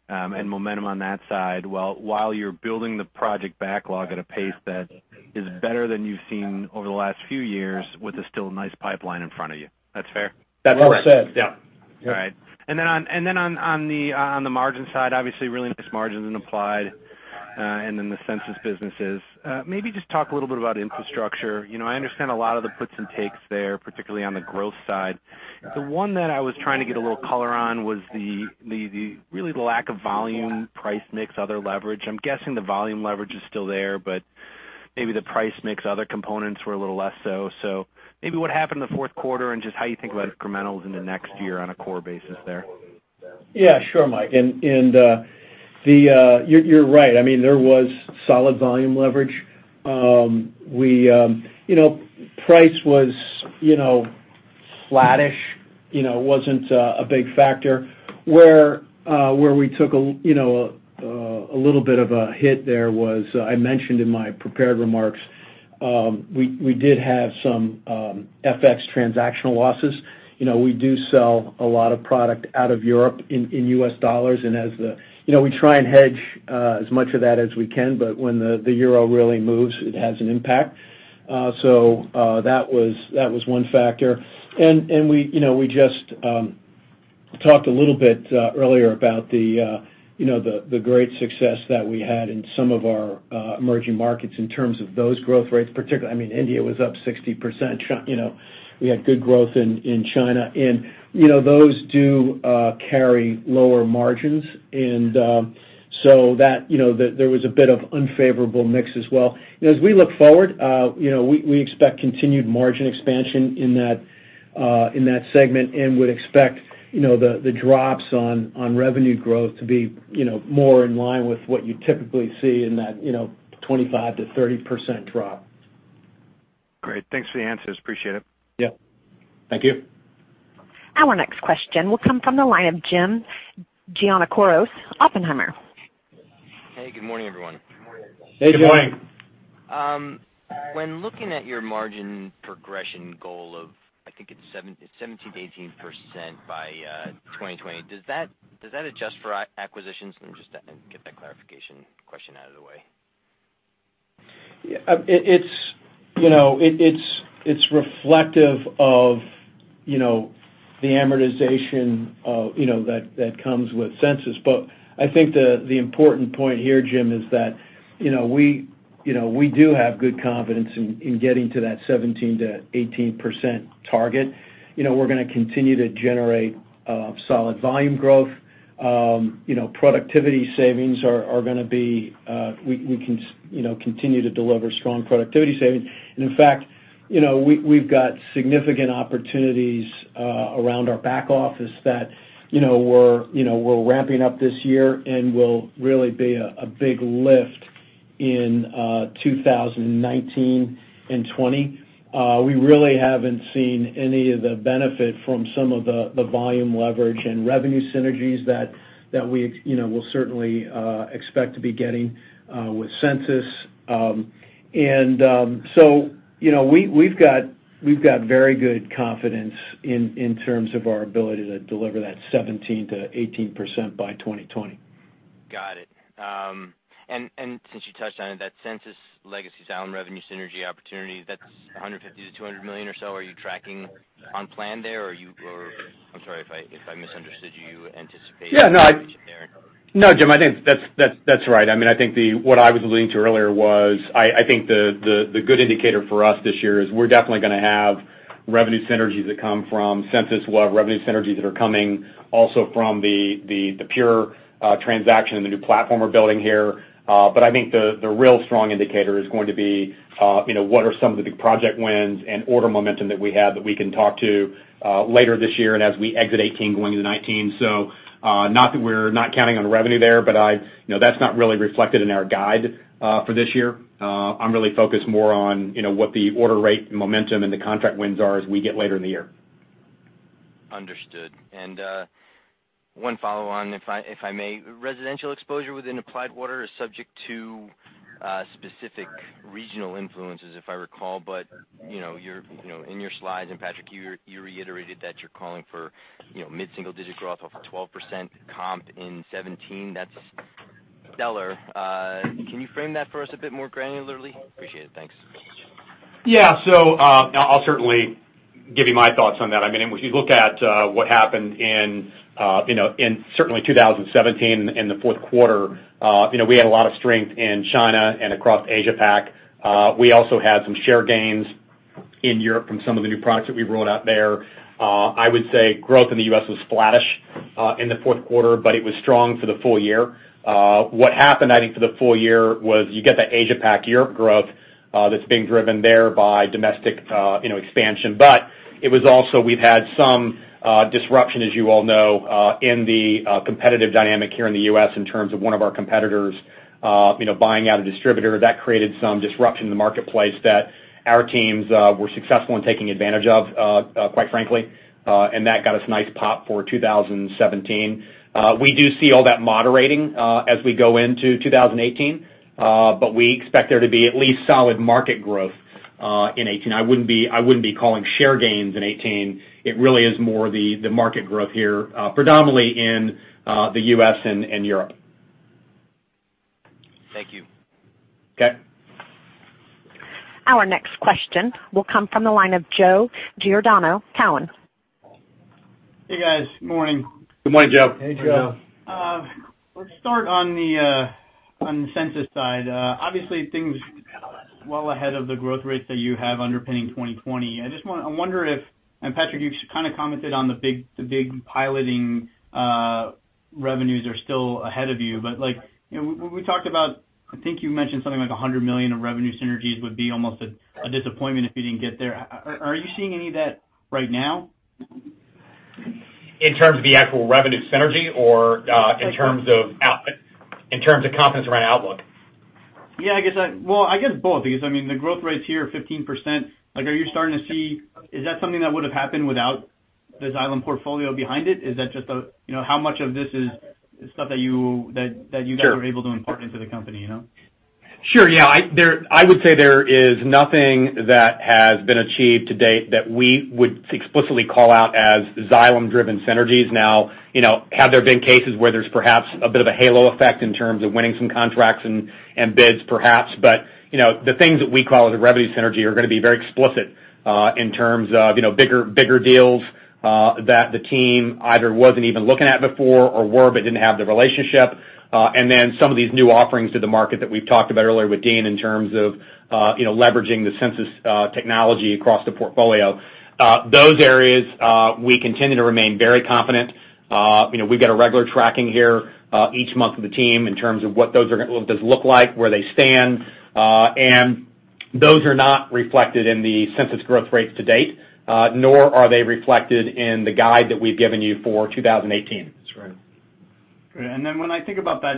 [SPEAKER 7] and momentum on that side, while you're building the project backlog at a pace that is better than you've seen over the last few years with a still nice pipeline in front of you. That's fair?
[SPEAKER 4] That's well said.
[SPEAKER 3] Correct. Yeah.
[SPEAKER 7] All right. On the margin side, obviously really nice margins in Applied, then the Sensus businesses. Maybe just talk a little bit about Infrastructure. I understand a lot of the puts and takes there, particularly on the growth side. The one that I was trying to get a little color on was really the lack of volume, price mix, other leverage. I'm guessing the volume leverage is still there, but maybe the price mix, other components were a little less so. Maybe what happened in the fourth quarter and just how you think about incrementals into next year on a core basis there.
[SPEAKER 4] Yeah, sure, Mike. You're right. There was solid volume leverage. Price was flattish, wasn't a big factor. Where we took a little bit of a hit there was, I mentioned in my prepared remarks, we did have some FX transactional losses. We do sell a lot of product out of Europe in US dollars, we try and hedge as much of that as we can, but when the euro really moves, it has an impact. That was one factor. We just talked a little earlier about the great success that we had in some of our emerging markets in terms of those growth rates, particularly India was up 60%. We had good growth in China. Those do carry lower margins. There was a bit of unfavorable mix as well. As we look forward, we expect continued margin expansion in that segment and would expect the drops on revenue growth to be more in line with what you'd typically see in that 25%-30% drop.
[SPEAKER 7] Great. Thanks for the answers. Appreciate it.
[SPEAKER 4] Yeah. Thank you.
[SPEAKER 1] Our next question will come from the line of Jim Giannakouros, Oppenheimer.
[SPEAKER 8] Hey, good morning, everyone.
[SPEAKER 4] Good morning.
[SPEAKER 3] Hey, Jim.
[SPEAKER 4] Good morning.
[SPEAKER 8] When looking at your margin progression goal of, I think it's 17%-18% by 2020, does that adjust for acquisitions? Let me just get that clarification question out of the way.
[SPEAKER 4] It's reflective of the amortization that comes with Sensus. I think the important point here, Jim, is that we do have good confidence in getting to that 17%-18% target. We're going to continue to generate solid volume growth. We continue to deliver strong productivity savings. In fact, we've got significant opportunities around our back office that we're ramping up this year and will really be a big lift in 2019 and 2020. We really haven't seen any of the benefit from some of the volume leverage and revenue synergies that we will certainly expect to be getting with Sensus. We've got very good confidence in terms of our ability to deliver that 17%-18% by 2020.
[SPEAKER 8] Got it. Since you touched on it, that Sensus legacy Xylem revenue synergy opportunity, that's $150 million-$200 million or so. Are you tracking on plan there? I'm sorry if I misunderstood you anticipating-
[SPEAKER 3] Yeah, no
[SPEAKER 8] there.
[SPEAKER 3] No, Jim, I think that's right. I think what I was alluding to earlier was, I think the good indicator for us this year is we're definitely going to have revenue synergies that come from Sensus, we'll have revenue synergies that are coming also from the Pure transaction and the new platform we're building here. I think the real strong indicator is going to be what are some of the big project wins and order momentum that we have that we can talk to later this year and as we exit 2018 going into 2019. Not that we're not counting on revenue there, but that's not really reflected in our guide for this year. I'm really focused more on what the order rate and momentum and the contract wins are as we get later in the year.
[SPEAKER 8] Understood. One follow-on, if I may. Residential exposure within Applied Water is subject to specific regional influences, if I recall. In your slides, and Patrick, you reiterated that you're calling for mid-single-digit growth off of 12% comp in 2017. That's stellar. Can you frame that for us a bit more granularly? Appreciate it. Thanks.
[SPEAKER 3] Yeah. I'll certainly give you my thoughts on that. If you look at what happened in certainly 2017 in the fourth quarter, we had a lot of strength in China and across Asia-Pac. We also had some share gains in Europe from some of the new products that we rolled out there. I would say growth in the U.S. was flattish in the fourth quarter, but it was strong for the full year. What happened, I think, for the full year was you get that Asia-Pac, Europe growth that's being driven there by domestic expansion. It was also, we've had some disruption, as you all know, in the competitive dynamic here in the U.S. in terms of one of our competitors buying out a distributor. That created some disruption in the marketplace that our teams were successful in taking advantage of, quite frankly, that got us a nice pop for 2017. We do see all that moderating as we go into 2018, we expect there to be at least solid market growth in 2018. I wouldn't be calling share gains in 2018. It really is more the market growth here predominantly in the U.S. and Europe.
[SPEAKER 8] Thank you.
[SPEAKER 3] Okay.
[SPEAKER 1] Our next question will come from the line of Joe Giordano, Cowen.
[SPEAKER 9] Hey, guys. Good morning.
[SPEAKER 3] Good morning, Joe.
[SPEAKER 4] Hey, Joe.
[SPEAKER 9] Let's start on the Sensus side. Obviously, things well ahead of the growth rates that you have underpinning 2020. I wonder if, and Patrick, you've kind of commented on the big piloting revenues are still ahead of you. We talked about, I think you mentioned something like $100 million of revenue synergies would be almost a disappointment if you didn't get there. Are you seeing any of that right now?
[SPEAKER 3] In terms of the actual revenue synergy or in terms of confidence around outlook?
[SPEAKER 9] Yeah, well, I guess both because the growth rates here are 15%. Are you starting to see, is that something that would've happened without the Xylem portfolio behind it? How much of this is stuff that you guys-
[SPEAKER 3] Sure
[SPEAKER 9] were able to import into the company?
[SPEAKER 3] Sure. Yeah. I would say there is nothing that has been achieved to date that we would explicitly call out as Xylem-driven synergies. Now, have there been cases where there's perhaps a bit of a halo effect in terms of winning some contracts and bids? Perhaps. The things that we call the revenue synergy are going to be very explicit in terms of bigger deals that the team either wasn't even looking at before or were, but didn't have the relationship. Some of these new offerings to the market that we've talked about earlier with Deane in terms of leveraging the Sensus technology across the portfolio. Those areas, we continue to remain very confident. We've got a regular tracking here each month with the team in terms of what those look like, where they stand. Those are not reflected in the Sensus growth rates to date, nor are they reflected in the guide that we've given you for 2018.
[SPEAKER 4] That's right.
[SPEAKER 9] Great. When I think about that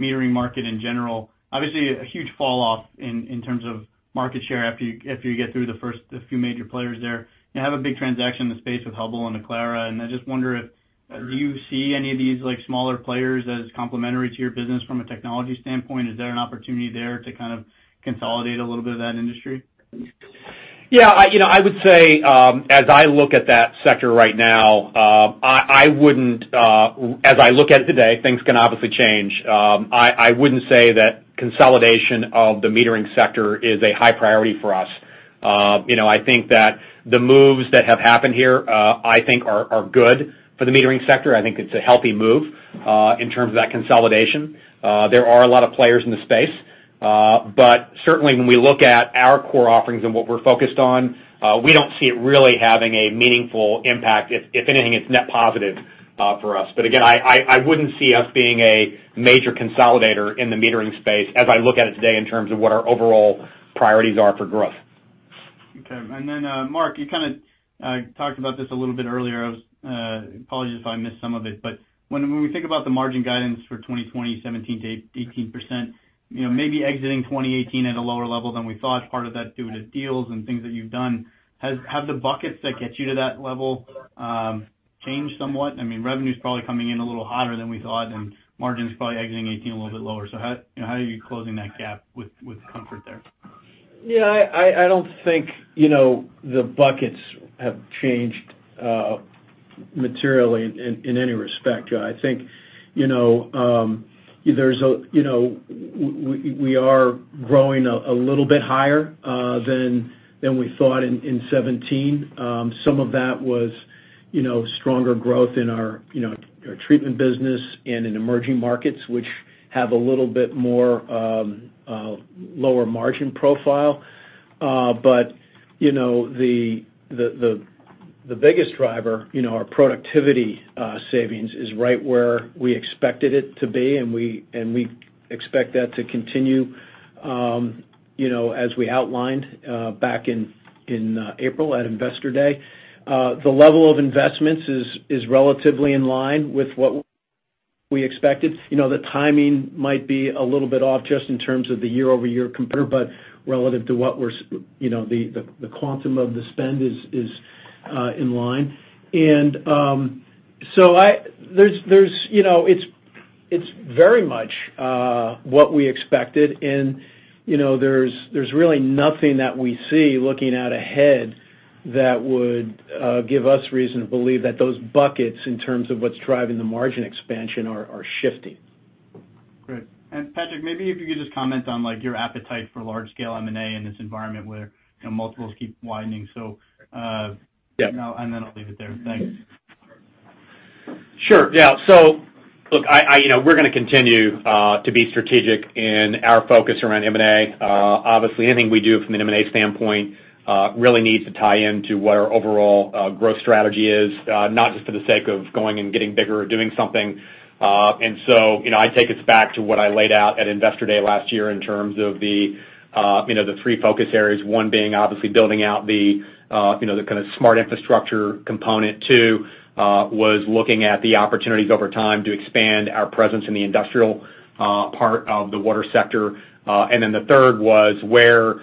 [SPEAKER 9] metering market in general, obviously a huge fall off in terms of market share after you get through the first few major players there. You have a big transaction in the space with Hubbell and Aclara, and I just wonder if, do you see any of these smaller players as complementary to your business from a technology standpoint? Is there an opportunity there to kind of consolidate a little bit of that industry?
[SPEAKER 3] Yeah. I would say as I look at that sector right now, as I look at it today, things can obviously change. I wouldn't say that consolidation of the metering sector is a high priority for us. I think that the moves that have happened here, I think are good for the metering sector. I think it's a healthy move in terms of that consolidation. There are a lot of players in the space. Certainly when we look at our core offerings and what we're focused on, we don't see it really having a meaningful impact. If anything, it's net positive for us. Again, I wouldn't see us being a major consolidator in the metering space as I look at it today in terms of what our overall priorities are for growth.
[SPEAKER 9] Okay. Then, Mark, you kind of talked about this a little bit earlier. Apologies if I missed some of it. When we think about the margin guidance for 2020, 17%-18%, maybe exiting 2018 at a lower level than we thought, part of that due to deals and things that you've done. Have the buckets that get you to that level changed somewhat? Revenue's probably coming in a little hotter than we thought, and margin's probably exiting 2018 a little bit lower. How are you closing that gap with comfort there?
[SPEAKER 4] Yeah, I don't think the buckets have changed materially in any respect, Joe. I think we are growing a little bit higher than we thought in 2017. Some of that was stronger growth in our treatment business and in emerging markets, which have a little bit more lower margin profile. The biggest driver, our productivity savings, is right where we expected it to be, and we expect that to continue as we outlined back in April at Investor Day. The level of investments is relatively in line with what we expected. The timing might be a little bit off just in terms of the year-over-year compare, but relative to the quantum of the spend is in line. It's very much what we expected, and there's really nothing that we see looking out ahead that would give us reason to believe that those buckets, in terms of what's driving the margin expansion, are shifting.
[SPEAKER 9] Patrick, maybe if you could just comment on your appetite for large-scale M&A in this environment where multiples keep widening.
[SPEAKER 3] Yep
[SPEAKER 9] I'll leave it there. Thanks.
[SPEAKER 3] Sure. Yeah. Look, we're going to continue to be strategic in our focus around M&A. Obviously, anything we do from an M&A standpoint really needs to tie into what our overall growth strategy is, not just for the sake of going and getting bigger or doing something. I take us back to what I laid out at Investor Day last year in terms of the three focus areas. One being obviously building out the kind of smart infrastructure component. Two was looking at the opportunities over time to expand our presence in the industrial part of the water sector. The third was where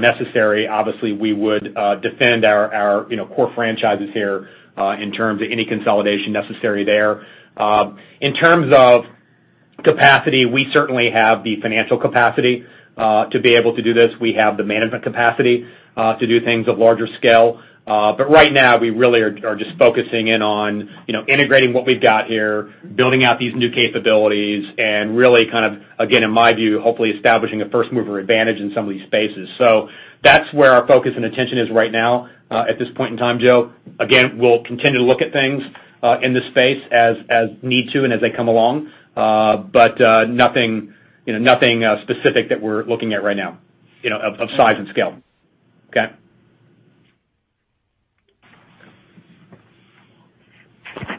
[SPEAKER 3] necessary, obviously, we would defend our core franchises here in terms of any consolidation necessary there. In terms of capacity, we certainly have the financial capacity to be able to do this. We have the management capacity to do things of larger scale. Right now, we really are just focusing in on integrating what we've got here, building out these new capabilities, and really kind of, again, in my view, hopefully establishing a first-mover advantage in some of these spaces. That's where our focus and attention is right now, at this point in time, Joe. Again, we'll continue to look at things in this space as need to and as they come along. Nothing specific that we're looking at right now of size and scale. Okay?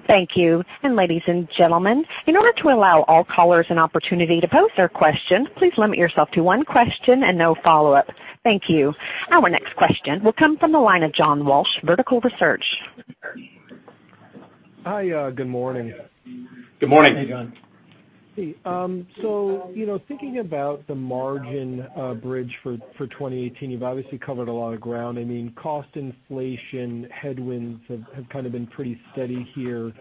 [SPEAKER 1] Thank you. Ladies and gentlemen, in order to allow all callers an opportunity to pose their questions, please limit yourself to one question and no follow-up. Thank you. Our next question will come from the line of John Walsh, Vertical Research.
[SPEAKER 10] Hi. Good morning.
[SPEAKER 3] Good morning.
[SPEAKER 4] Hey, John.
[SPEAKER 10] Hey. Thinking about the margin bridge for 2018, you've obviously covered a lot of ground. I mean, cost inflation headwinds have kind of been pretty steady here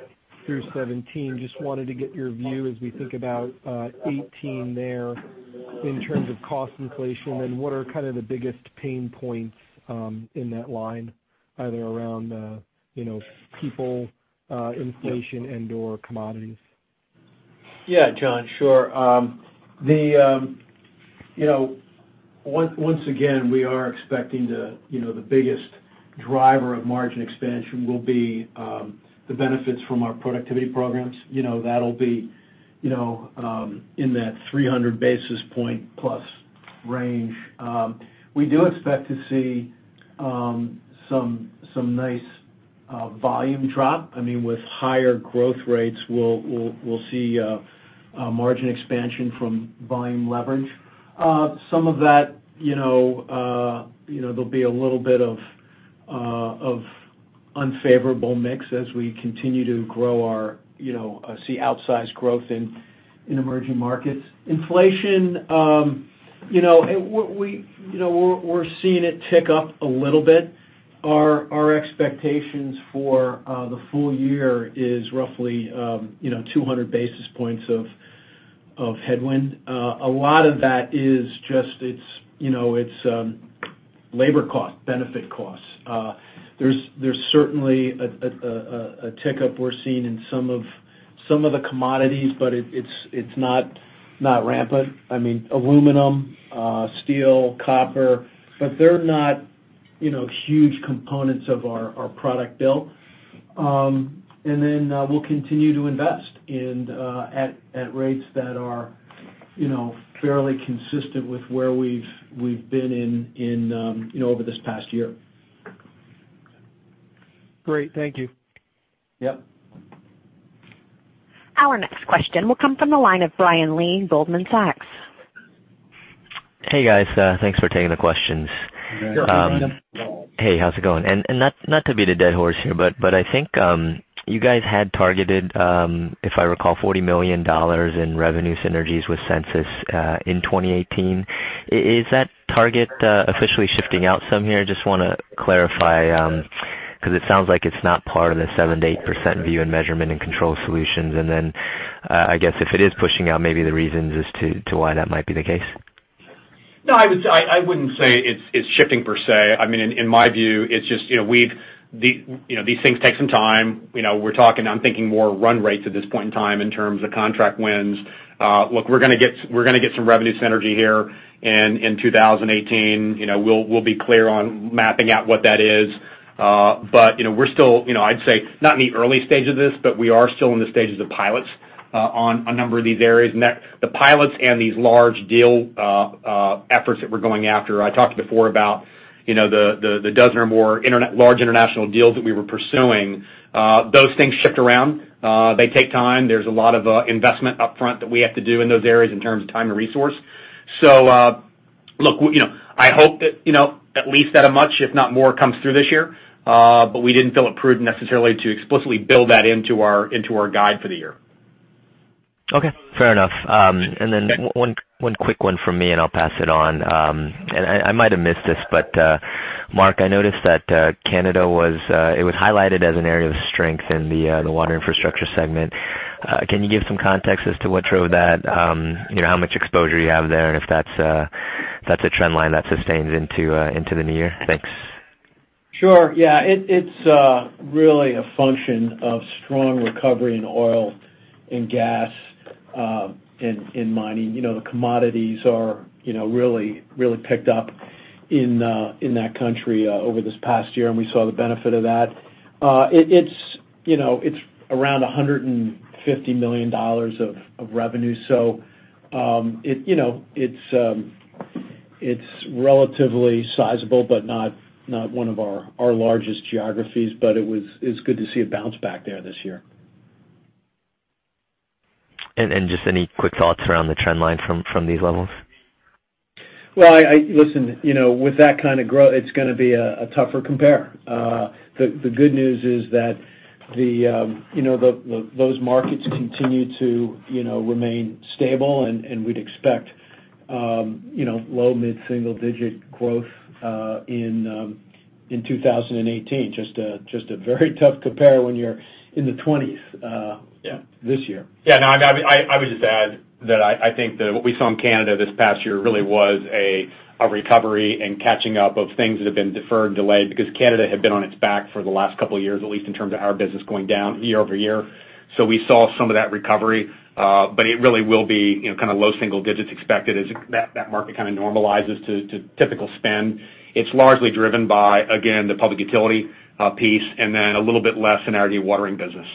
[SPEAKER 10] through 2017. Just wanted to get your view as we think about 2018 there in terms of cost inflation and what are kind of the biggest pain points in that line, either around people inflation and/or commodities?
[SPEAKER 4] Yeah. John, sure. Once again, we are expecting the biggest driver of margin expansion will be the benefits from our productivity programs. That'll be in that 300 basis points plus range. We do expect to see some nice volume drop. I mean, with higher growth rates, we'll see a margin expansion from volume leverage. Some of that, there'll be a little bit of unfavorable mix as we continue to see outsized growth in emerging markets. Inflation, we're seeing it tick up a little bit. Our expectations for the full year is roughly 200 basis points of headwind. A lot of that is just labor cost, benefit costs. There's certainly a tick-up we're seeing in some of the commodities, but it's not rampant. I mean, aluminum, steel, copper, but they're not huge components of our product build. Then we'll continue to invest at rates that are fairly consistent with where we've been in over this past year.
[SPEAKER 10] Great. Thank you.
[SPEAKER 4] Yep.
[SPEAKER 1] Our next question will come from the line of Brian Lee, Goldman Sachs.
[SPEAKER 11] Hey, guys. Thanks for taking the questions.
[SPEAKER 4] You bet.
[SPEAKER 3] Sure.
[SPEAKER 11] Hey, how's it going? Not to beat a dead horse here, but I think you guys had targeted, if I recall, $40 million in revenue synergies with Sensus in 2018. Is that target officially shifting out some here? Just want to clarify because it sounds like it's not part of the 7%-8% view in Measurement and Control Solutions. Then, I guess if it is pushing out, maybe the reasons as to why that might be the case?
[SPEAKER 3] No, I wouldn't say it's shifting per se. In my view, these things take some time. I'm thinking more run rates at this point in time in terms of contract wins. Look, we're going to get some revenue synergy here in 2018. We'll be clear on mapping out what that is. We're still, I'd say, not in the early stages of this, but we are still in the stages of pilots on a number of these areas. The pilots and these large deal efforts that we're going after, I talked before about the dozen or more large international deals that we were pursuing. Those things shift around. They take time. There's a lot of investment upfront that we have to do in those areas in terms of time and resource. Look, I hope that at least that much, if not more, comes through this year. We didn't feel it prudent necessarily to explicitly build that into our guide for the year.
[SPEAKER 11] Okay, fair enough. One quick one from me, and I'll pass it on. I might have missed this, Mark, I noticed that Canada was highlighted as an area of strength in the Water Infrastructure segment. Can you give some context as to what drove that? How much exposure you have there, and if that's a trend line that sustains into the new year? Thanks.
[SPEAKER 4] Sure. Yeah. It's really a function of strong recovery in oil and gas in mining. The commodities really picked up in that country over this past year, and we saw the benefit of that. It's around $150 million of revenue. It's relatively sizable, but not one of our largest geographies. It's good to see it bounce back there this year.
[SPEAKER 11] Just any quick thoughts around the trend line from these levels?
[SPEAKER 4] Well, listen, with that kind of growth, it's going to be a tougher compare. The good news is that those markets continue to remain stable. We'd expect low mid-single-digit growth in 2018. Just a very tough compare when you're in the 20s this year.
[SPEAKER 3] Yeah. No, I would just add that I think that what we saw in Canada this past year really was a recovery and catching up of things that have been deferred and delayed because Canada had been on its back for the last couple of years, at least in terms of our business going down year-over-year. We saw some of that recovery. It really will be low single digits expected as that market normalizes to typical spend. It's largely driven by, again, the public utility piece and then a little bit less in our dewatering business.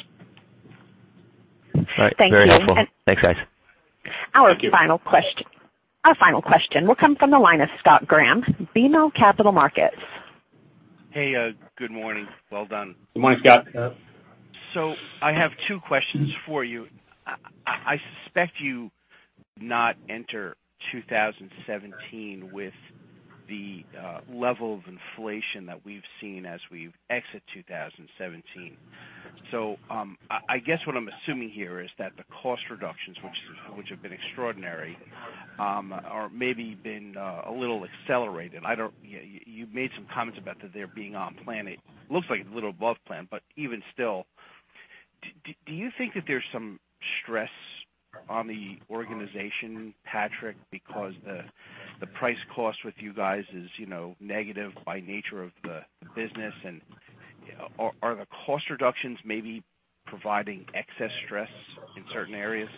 [SPEAKER 11] All right. Very helpful.
[SPEAKER 1] Thank you.
[SPEAKER 11] Thanks, guys.
[SPEAKER 1] Our final question will come from the line of Scott Graham, BMO Capital Markets.
[SPEAKER 12] Hey, good morning. Well done.
[SPEAKER 3] Good morning, Scott.
[SPEAKER 4] Good morning, Scott.
[SPEAKER 12] I have two questions for you. I suspect you did not enter 2017 with the level of inflation that we've seen as we've exited 2017. I guess what I'm assuming here is that the cost reductions, which have been extraordinary, or maybe been a little accelerated. You've made some comments about that they're being on plan. It looks like a little above plan, but even still, do you think that there's some stress on the organization, Patrick, because the price cost with you guys is negative by nature of the business, and are the cost reductions maybe providing excess stress in certain areas?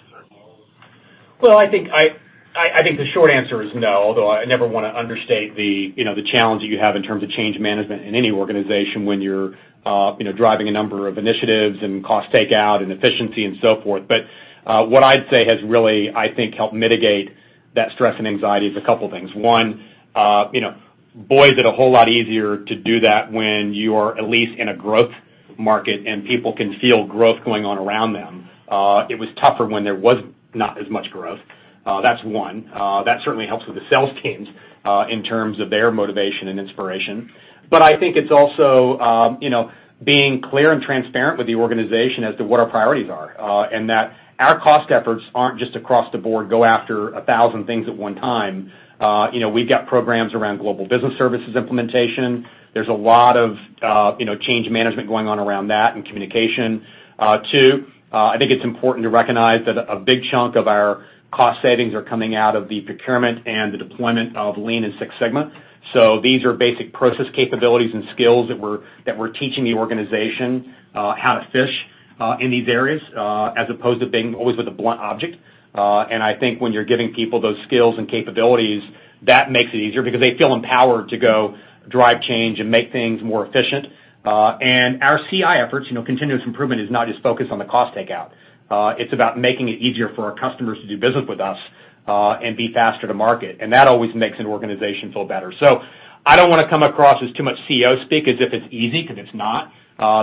[SPEAKER 3] Well, I think the short answer is no, although I never want to understate the challenge that you have in terms of change management in any organization when you're driving a number of initiatives and cost takeout and efficiency and so forth. What I'd say has really, I think, helped mitigate that stress and anxiety is a couple things. One, boy, is it a whole lot easier to do that when you are at least in a growth market and people can feel growth going on around them. It was tougher when there was not as much growth. That's one. That certainly helps with the sales teams in terms of their motivation and inspiration. I think it's also being clear and transparent with the organization as to what our priorities are, and that our cost efforts aren't just across the board, go after 1,000 things at one time. We've got programs around global business services implementation. There's a lot of change management going on around that and communication. Two, I think it's important to recognize that a big chunk of our cost savings are coming out of the procurement and the deployment of Lean and Six Sigma. These are basic process capabilities and skills that we're teaching the organization how to fish in these areas as opposed to being always with a blunt object. I think when you're giving people those skills and capabilities, that makes it easier because they feel empowered to go drive change and make things more efficient. Our CI efforts, continuous improvement, is not just focused on the cost takeout. It's about making it easier for our customers to do business with us and be faster to market, and that always makes an organization feel better. I don't want to come across as too much CEO speak as if it's easy, because it's not.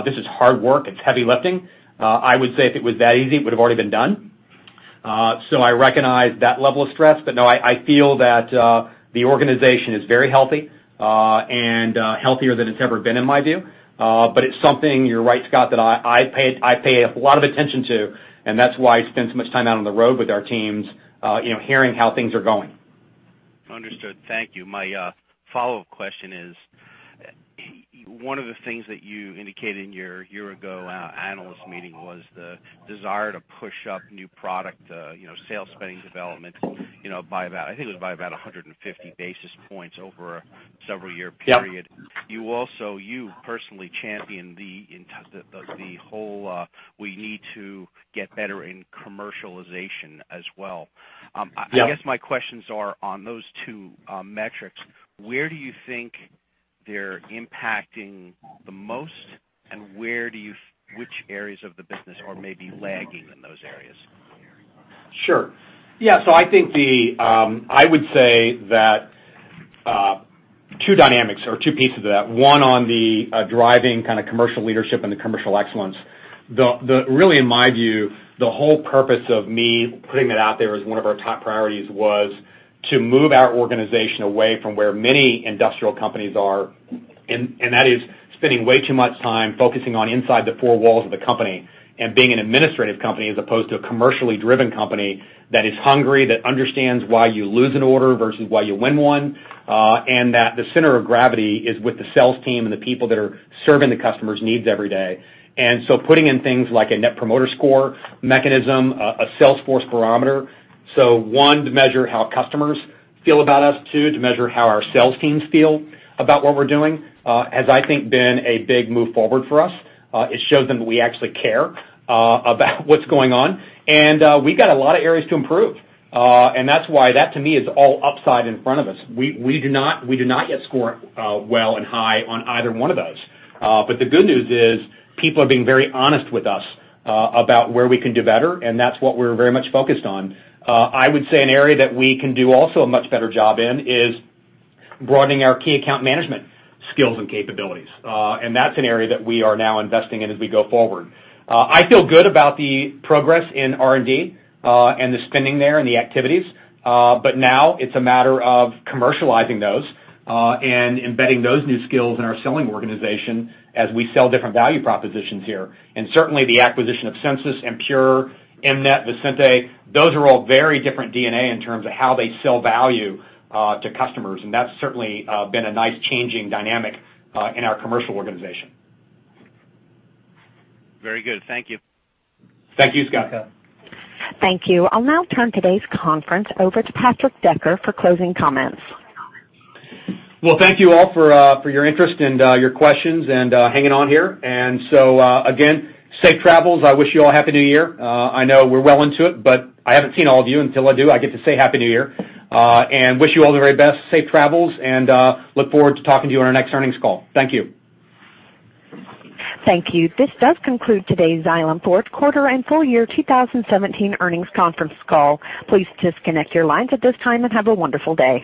[SPEAKER 3] This is hard work. It's heavy lifting. I would say if it was that easy, it would have already been done. I recognize that level of stress. No, I feel that the organization is very healthy and healthier than it's ever been in my view. It's something, you're right, Scott, that I pay a lot of attention to, and that's why I spend so much time out on the road with our teams, hearing how things are going.
[SPEAKER 12] Understood. Thank you. My follow-up question is, one of the things that you indicated a year ago at our analyst meeting was the desire to push up new product sales spending development, I think it was by about 150 basis points over a several year period.
[SPEAKER 3] Yep.
[SPEAKER 12] You personally champion the whole, we need to get better in commercialization as well.
[SPEAKER 3] Yep.
[SPEAKER 12] I guess my questions are on those two metrics, where do you think they're impacting the most, and which areas of the business are maybe lagging in those areas?
[SPEAKER 3] Sure. Yeah, I would say that two dynamics or two pieces of that, one on the driving kind of commercial leadership and the commercial excellence. Really, in my view, the whole purpose of me putting that out there as one of our top priorities was to move our organization away from where many industrial companies are, and that is spending way too much time focusing on inside the four walls of the company and being an administrative company as opposed to a commercially driven company that is hungry, that understands why you lose an order versus why you win one. That the center of gravity is with the sales team and the people that are serving the customers' needs every day. Putting in things like a Net Promoter Score mechanism, a sales force barometer. One, to measure how customers feel about us, two, to measure how our sales teams feel about what we're doing has, I think, been a big move forward for us. It shows them that we actually care about what's going on, and we've got a lot of areas to improve. That's why that to me is all upside in front of us. We do not yet score well and high on either one of those. The good news is people are being very honest with us about where we can do better, and that's what we're very much focused on. I would say an area that we can do also a much better job in is broadening our key account management skills and capabilities. That's an area that we are now investing in as we go forward. I feel good about the progress in R&D, and the spending there, and the activities. Now it's a matter of commercializing those, and embedding those new skills in our selling organization as we sell different value propositions here. Certainly the acquisition of Sensus and Pure, EmNet, Visenti, those are all very different DNA in terms of how they sell value to customers, and that's certainly been a nice changing dynamic in our commercial organization.
[SPEAKER 12] Very good. Thank you.
[SPEAKER 3] Thank you, Scott.
[SPEAKER 1] Thank you. I'll now turn today's conference over to Patrick Decker for closing comments.
[SPEAKER 3] Thank you all for your interest and your questions and hanging on here. Again, safe travels. I wish you all happy New Year. I know we're well into it, but I haven't seen all of you. Until I do, I get to say happy New Year, and wish you all the very best. Safe travels, and look forward to talking to you on our next earnings call. Thank you.
[SPEAKER 1] Thank you. This does conclude today's Xylem Fourth Quarter and Full Year 2017 Earnings Conference Call. Please disconnect your lines at this time and have a wonderful day.